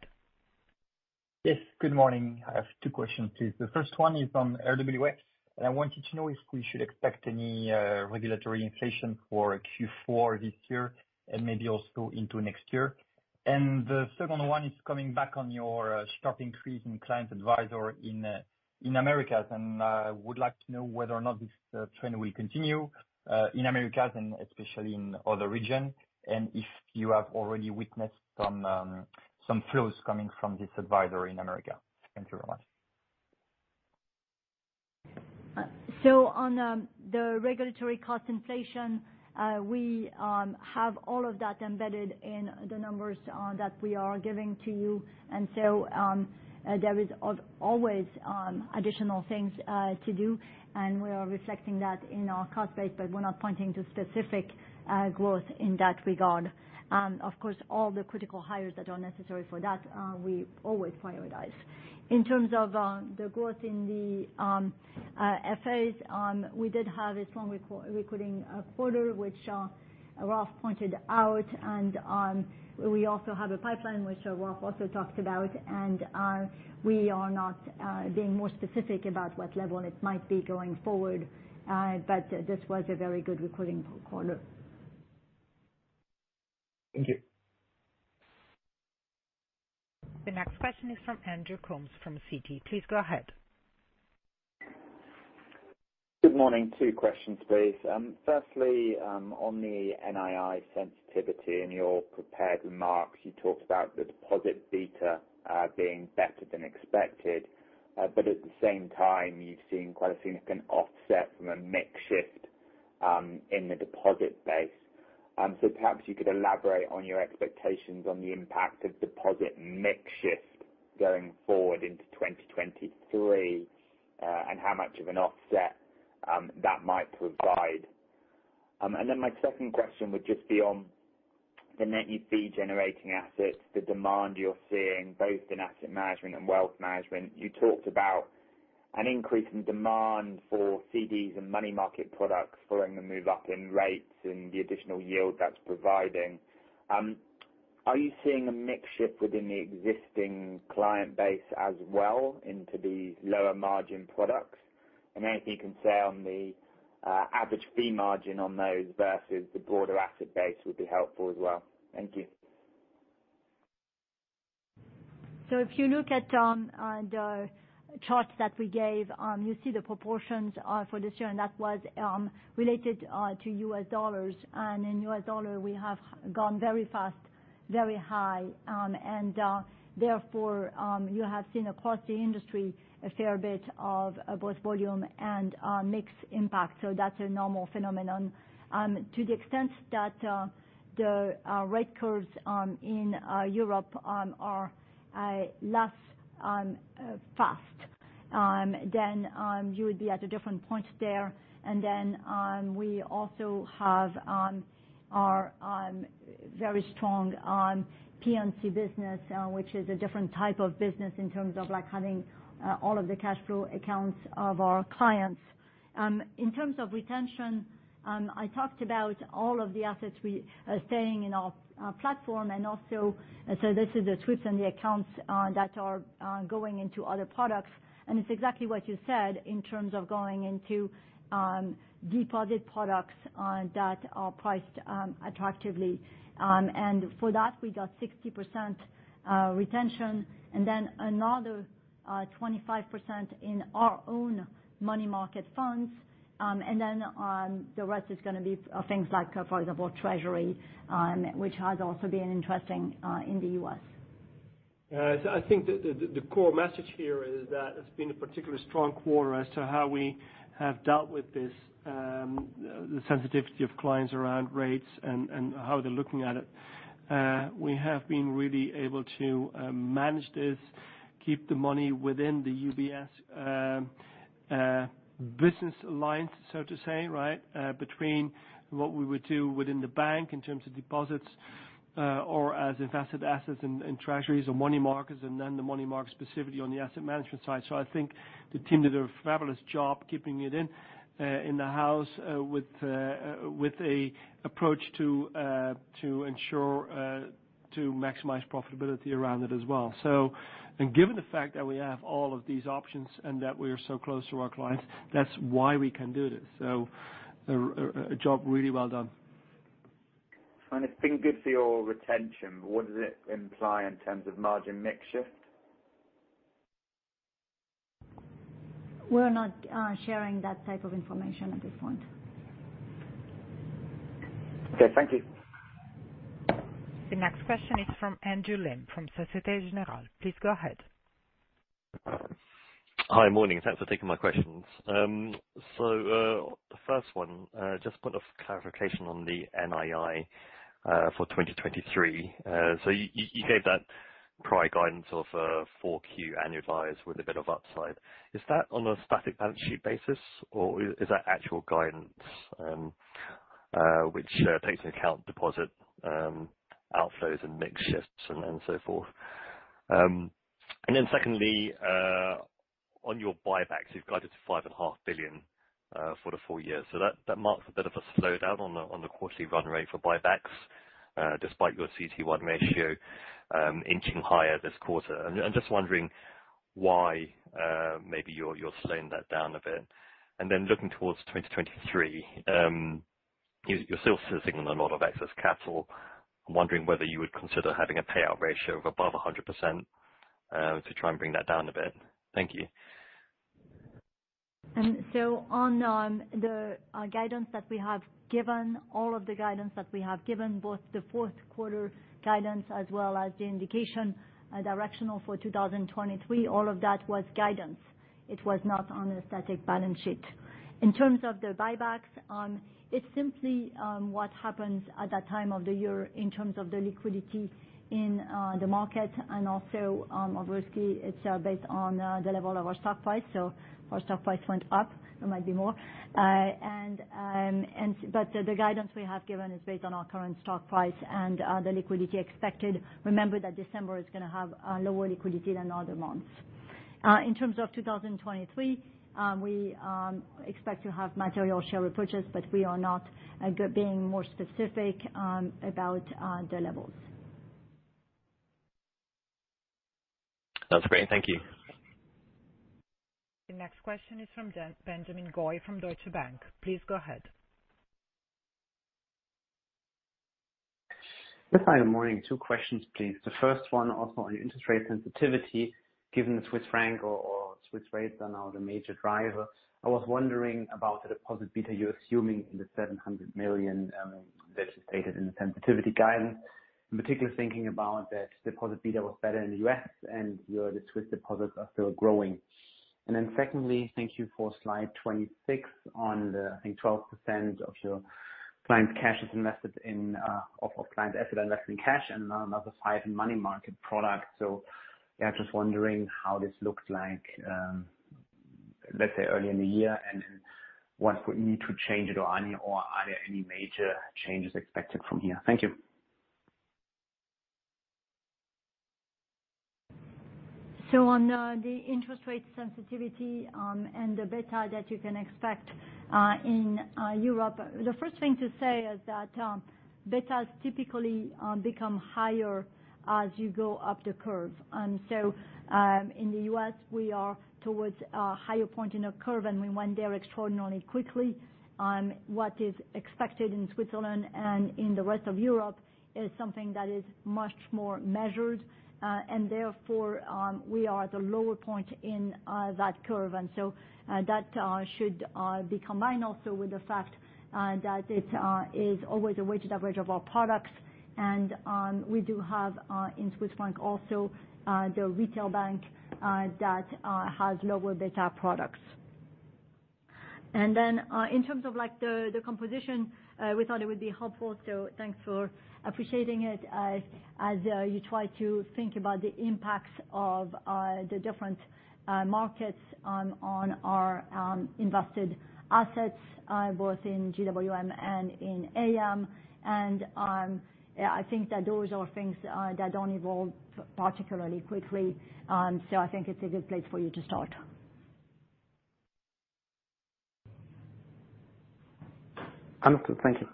Yes, good morning. I have two questions, please. The first one is on RWA, and I wanted to know if we should expect any regulatory inflation for Q4 this year, and maybe also into next year. The second one is coming back on your sharp increase in client advisory in Americas. I would like to know whether or not this trend will continue in Americas and especially in other region, and if you have already witnessed some flows coming from this advisory in America. Thank you very much. On the regulatory cost inflation, we have all of that embedded in the numbers that we are giving to you. There is always additional things to do, and we are reflecting that in our cost base, but we're not pointing to specific growth in that regard. Of course, all the critical hires that are necessary for that, we always prioritize. In terms of the growth in the FAs, we did have a strong recruiting quarter, which Ralph pointed out. We also have a pipeline which Ralph also talked about. We are not being more specific about what level it might be going forward. This was a very good recruiting quarter. Thank you. The next question is from Andrew Coombs from Citi. Please go ahead. Good morning. Two questions, please. Firstly, on the NII sensitivity, in your prepared remarks, you talked about the deposit beta being better than expected. At the same time, you've seen quite a significant offset from a mix shift in the deposit base. Perhaps you could elaborate on your expectations on the impact of deposit mix shift going forward into 2023, and how much of an offset that might provide. My second question would just be on the net fee generating assets, the demand you're seeing both in asset management and wealth management. You talked about an increase in demand for CDs and money market products following the move up in rates and the additional yield that's providing. Are you seeing a mix shift within the existing client base as well into the lower margin products? Anything you can say on the average fee margin on those versus the broader asset base would be helpful as well. Thank you. If you look at the charts that we gave, you see the proportions for this year, and that was related to U.S. dollars. In U.S. dollar, we have gone very fast, very high, and therefore you have seen across the industry a fair bit of both volume and mix impact. That's a normal phenomenon. To the extent that the rate curves in Europe are less fast than you would be at a different point there. We also have our very strong P&C business, which is a different type of business in terms of like having all of the cash flow accounts of our clients. In terms of retention, I talked about all of the assets we staying in our platform and also, so this is the sweeps and the accounts that are going into other products. It's exactly what you said in terms of going into deposit products that are priced attractively. For that, we got 60% retention and then another 25% in our own money market funds. Then the rest is gonna be things like, for example, Treasury, which has also been interesting in the U.S. I think the core message here is that it's been a particularly strong quarter as to how we have dealt with this, the sensitivity of clients around rates and how they're looking at it. We have been really able to manage this, keep the money within the UBS business alliance, so to say, right? Between what we would do within the bank in terms of deposits, or as invested assets in treasuries or money markets, and then the money market specifically on the asset management side. I think the team did a fabulous job keeping it in the house with an approach to ensure to maximize profitability around it as well. Given the fact that we have all of these options and that we are so close to our clients, that's why we can do this. A job really well done. It's been good for your retention, but what does it imply in terms of margin mix shift? We're not sharing that type of information at this point. Okay, thank you. The next question is from Andrew Lim from Société Générale. Please go ahead. Hi. Morning. Thanks for taking my questions. The first one, just point of clarification on the NII for 2023. You gave that prior guidance of 4Q annualized with a bit of upside. Is that on a static balance sheet basis, or is that actual guidance which takes into account deposit outflows and mix shifts and so forth? Secondly, on your buybacks, you've guided to 5.5 billion for the full year. That marks a bit of a slowdown on the quarterly run rate for buybacks, despite your CET1 ratio inching higher this quarter. I'm just wondering why maybe you're slowing that down a bit. Looking towards 2023, you're still sitting on a lot of excess capital. I'm wondering whether you would consider having a payout ratio of above 100%, to try and bring that down a bit. Thank you. On the guidance that we have given, all of the guidance that we have given, both the fourth quarter guidance as well as the indication, directional for 2023, all of that was guidance. It was not on a static balance sheet. In terms of the buybacks, it's simply what happens at that time of the year in terms of the liquidity in the market and also, obviously it's based on the level of our stock price. Our stock price went up, it might be more. The guidance we have given is based on our current stock price and the liquidity expected. Remember that December is gonna have a lower liquidity than other months. In terms of 2023, we expect to have material share repurchase, but we are not going to be more specific about the levels. That's great. Thank you. The next question is from Benjamin Goy from Deutsche Bank. Please go ahead. Yes, hi. Morning. Two questions, please. The first one also on interest rate sensitivity, given the Swiss rates are now the major driver. I was wondering about the deposit beta you're assuming in the 700 million that you stated in the sensitivity guidance. In particular, thinking about that deposit beta was better in the U.S. and your Swiss deposits are still growing. Then secondly, thank you for slide 26 on the, I think 12% of your clients' cash is invested in client asset investment cash and another 5% in money market products. Yeah, just wondering how this looks like, let's say, early in the year, and what would need to change it or are there any major changes expected from here? Thank you. On the interest rate sensitivity and the beta that you can expect in Europe. The first thing to say is that betas typically become higher as you go up the curve. In the U.S., we are towards a higher point in the curve, and we went there extraordinarily quickly. What is expected in Switzerland and in the rest of Europe is something that is much more measured and therefore we are at a lower point in that curve. That should be combined also with the fact that it is always a weighted average of our products. We do have in Swiss francs also the retail bank that has lower beta products. In terms of, like, the composition, we thought it would be helpful, so thanks for appreciating it as you try to think about the impacts of the different markets on our invested assets, both in GWM and in AM. Yeah, I think that those are things that don't evolve particularly quickly. I think it's a good place for you to start. Understood. Thank you.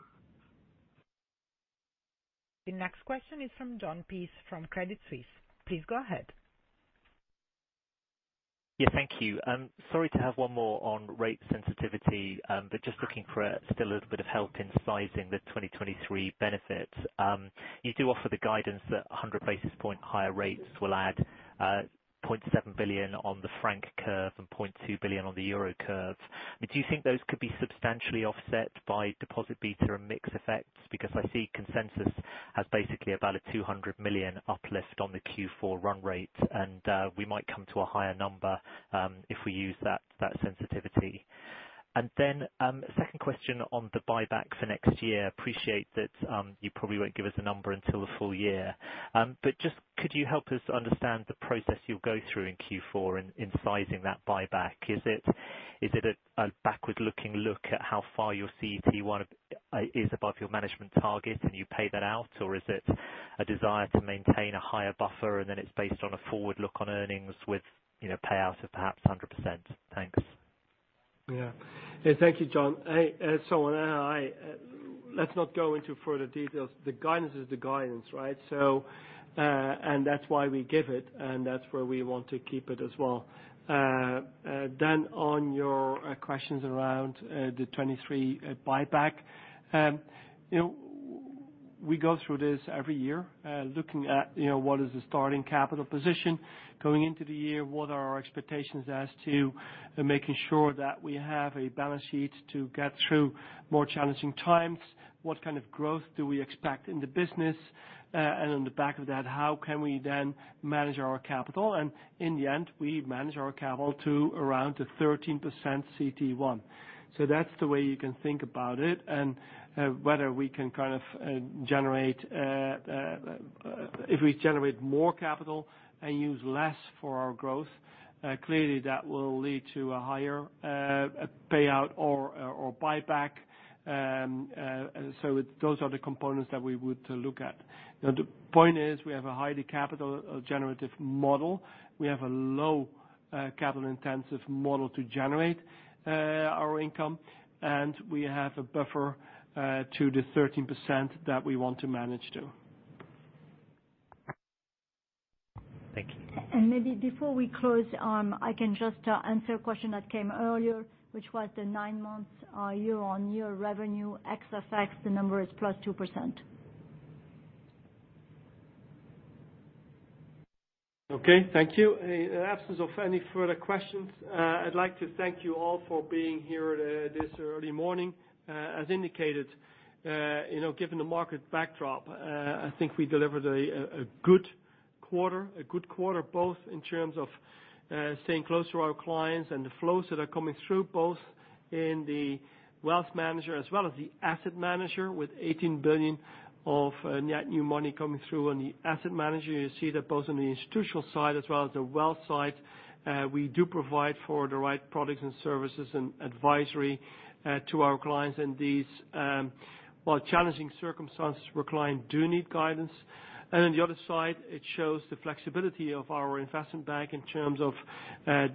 The next question is from Jon Peace from Credit Suisse. Please go ahead. Yeah, thank you. Sorry to have one more on rate sensitivity, but just looking for still a little bit of help in sizing the 2023 benefits. You do offer the guidance that 100 basis points higher rates will add 0.7 billion on the franc curve and 0.2 billion on the euro curve. Do you think those could be substantially offset by deposit beta and mix effects? Because I see consensus as basically about a 200 million uplift on the Q4 run rate, and we might come to a higher number, if we use that sensitivity. Then, second question on the buyback for next year. Appreciate that, you probably won't give us a number until the full year. Just could you help us understand the process you'll go through in Q4 in sizing that buyback? Is it a backward looking look at how far your CET1 is above your management target, and you pay that out? Or is it a desire to maintain a higher buffer, and then it's based on a forward look on earnings with, you know, payouts of perhaps 100%? Thanks. Thank you, Jon. Hey, on NII, let's not go into further details. The guidance is the guidance, right? That's why we give it, and that's where we want to keep it as well. On your questions around the 2023 buyback, you know, we go through this every year, looking at, you know, what is the starting capital position going into the year, what are our expectations as to making sure that we have a balance sheet to get through more challenging times, what kind of growth do we expect in the business, and on the back of that, how can we then manage our capital? In the end, we manage our capital to around 13% CET1. That's the way you can think about it, and whether we can kind of generate if we generate more capital and use less for our growth, clearly that will lead to a higher payout or buyback. Those are the components that we would look at. Now, the point is we have a highly capital generative model. We have a low capital intensive model to generate our income, and we have a buffer to the 13% that we want to manage to. Thank you. Maybe before we close, I can just answer a question that came earlier, which was the nine-month year-on-year revenue ex FX, the number is +2%. Okay. Thank you. In absence of any further questions, I'd like to thank you all for being here this early morning. As indicated, you know, given the market backdrop, I think we delivered a good quarter, both in terms of staying close to our clients and the flows that are coming through, both in the wealth manager as well as the asset manager with 18 billion of net new money coming through. On the asset manager, you see that both on the institutional side as well as the wealth side, we do provide for the right products and services and advisory to our clients in these well, challenging circumstances where client do need guidance. On the other side, it shows the flexibility of our investment bank in terms of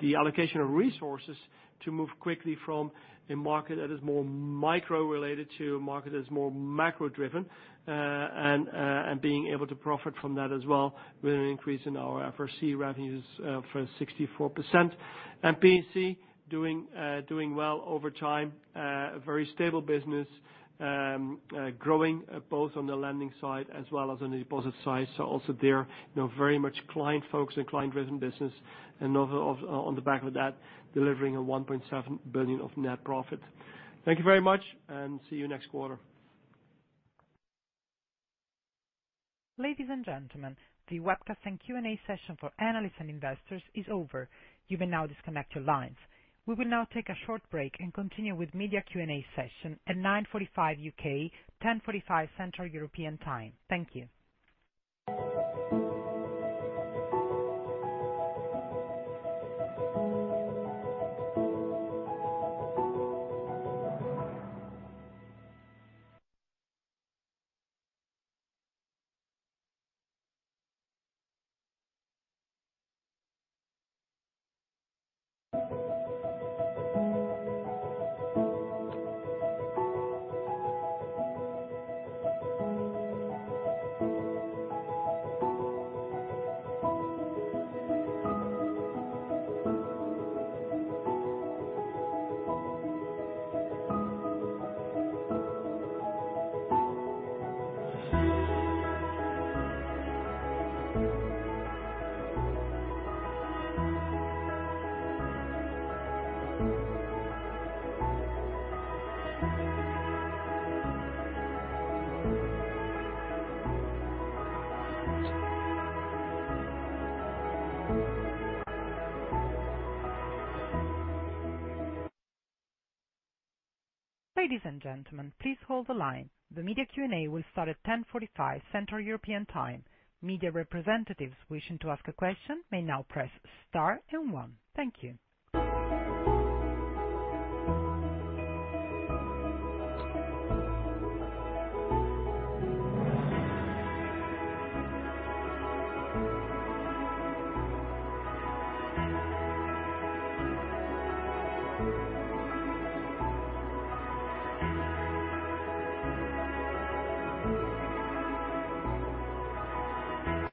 the allocation of resources to move quickly from a market that is more micro related to a market that is more macro driven, and being able to profit from that as well with an increase in our FRC revenues of 64%. P&C doing well over time. A very stable business, growing both on the lending side as well as on the deposit side. Also there, you know, very much client focused and client driven business. On the back of that, delivering 1.7 billion of net profit. Thank you very much, and see you next quarter. Ladies and gentlemen, the webcast and Q&A session for analysts and investors is over. You may now disconnect your lines. We will now take a short break and continue with media Q&A session at 9:45 A.M. UK, 10:45 A.M. Central European Time. Thank you. Ladies and gentlemen, please hold the line. The media Q&A will start at 10:45 A.M. Central European Time. Media representatives wishing to ask a question may now press star then one. Thank you.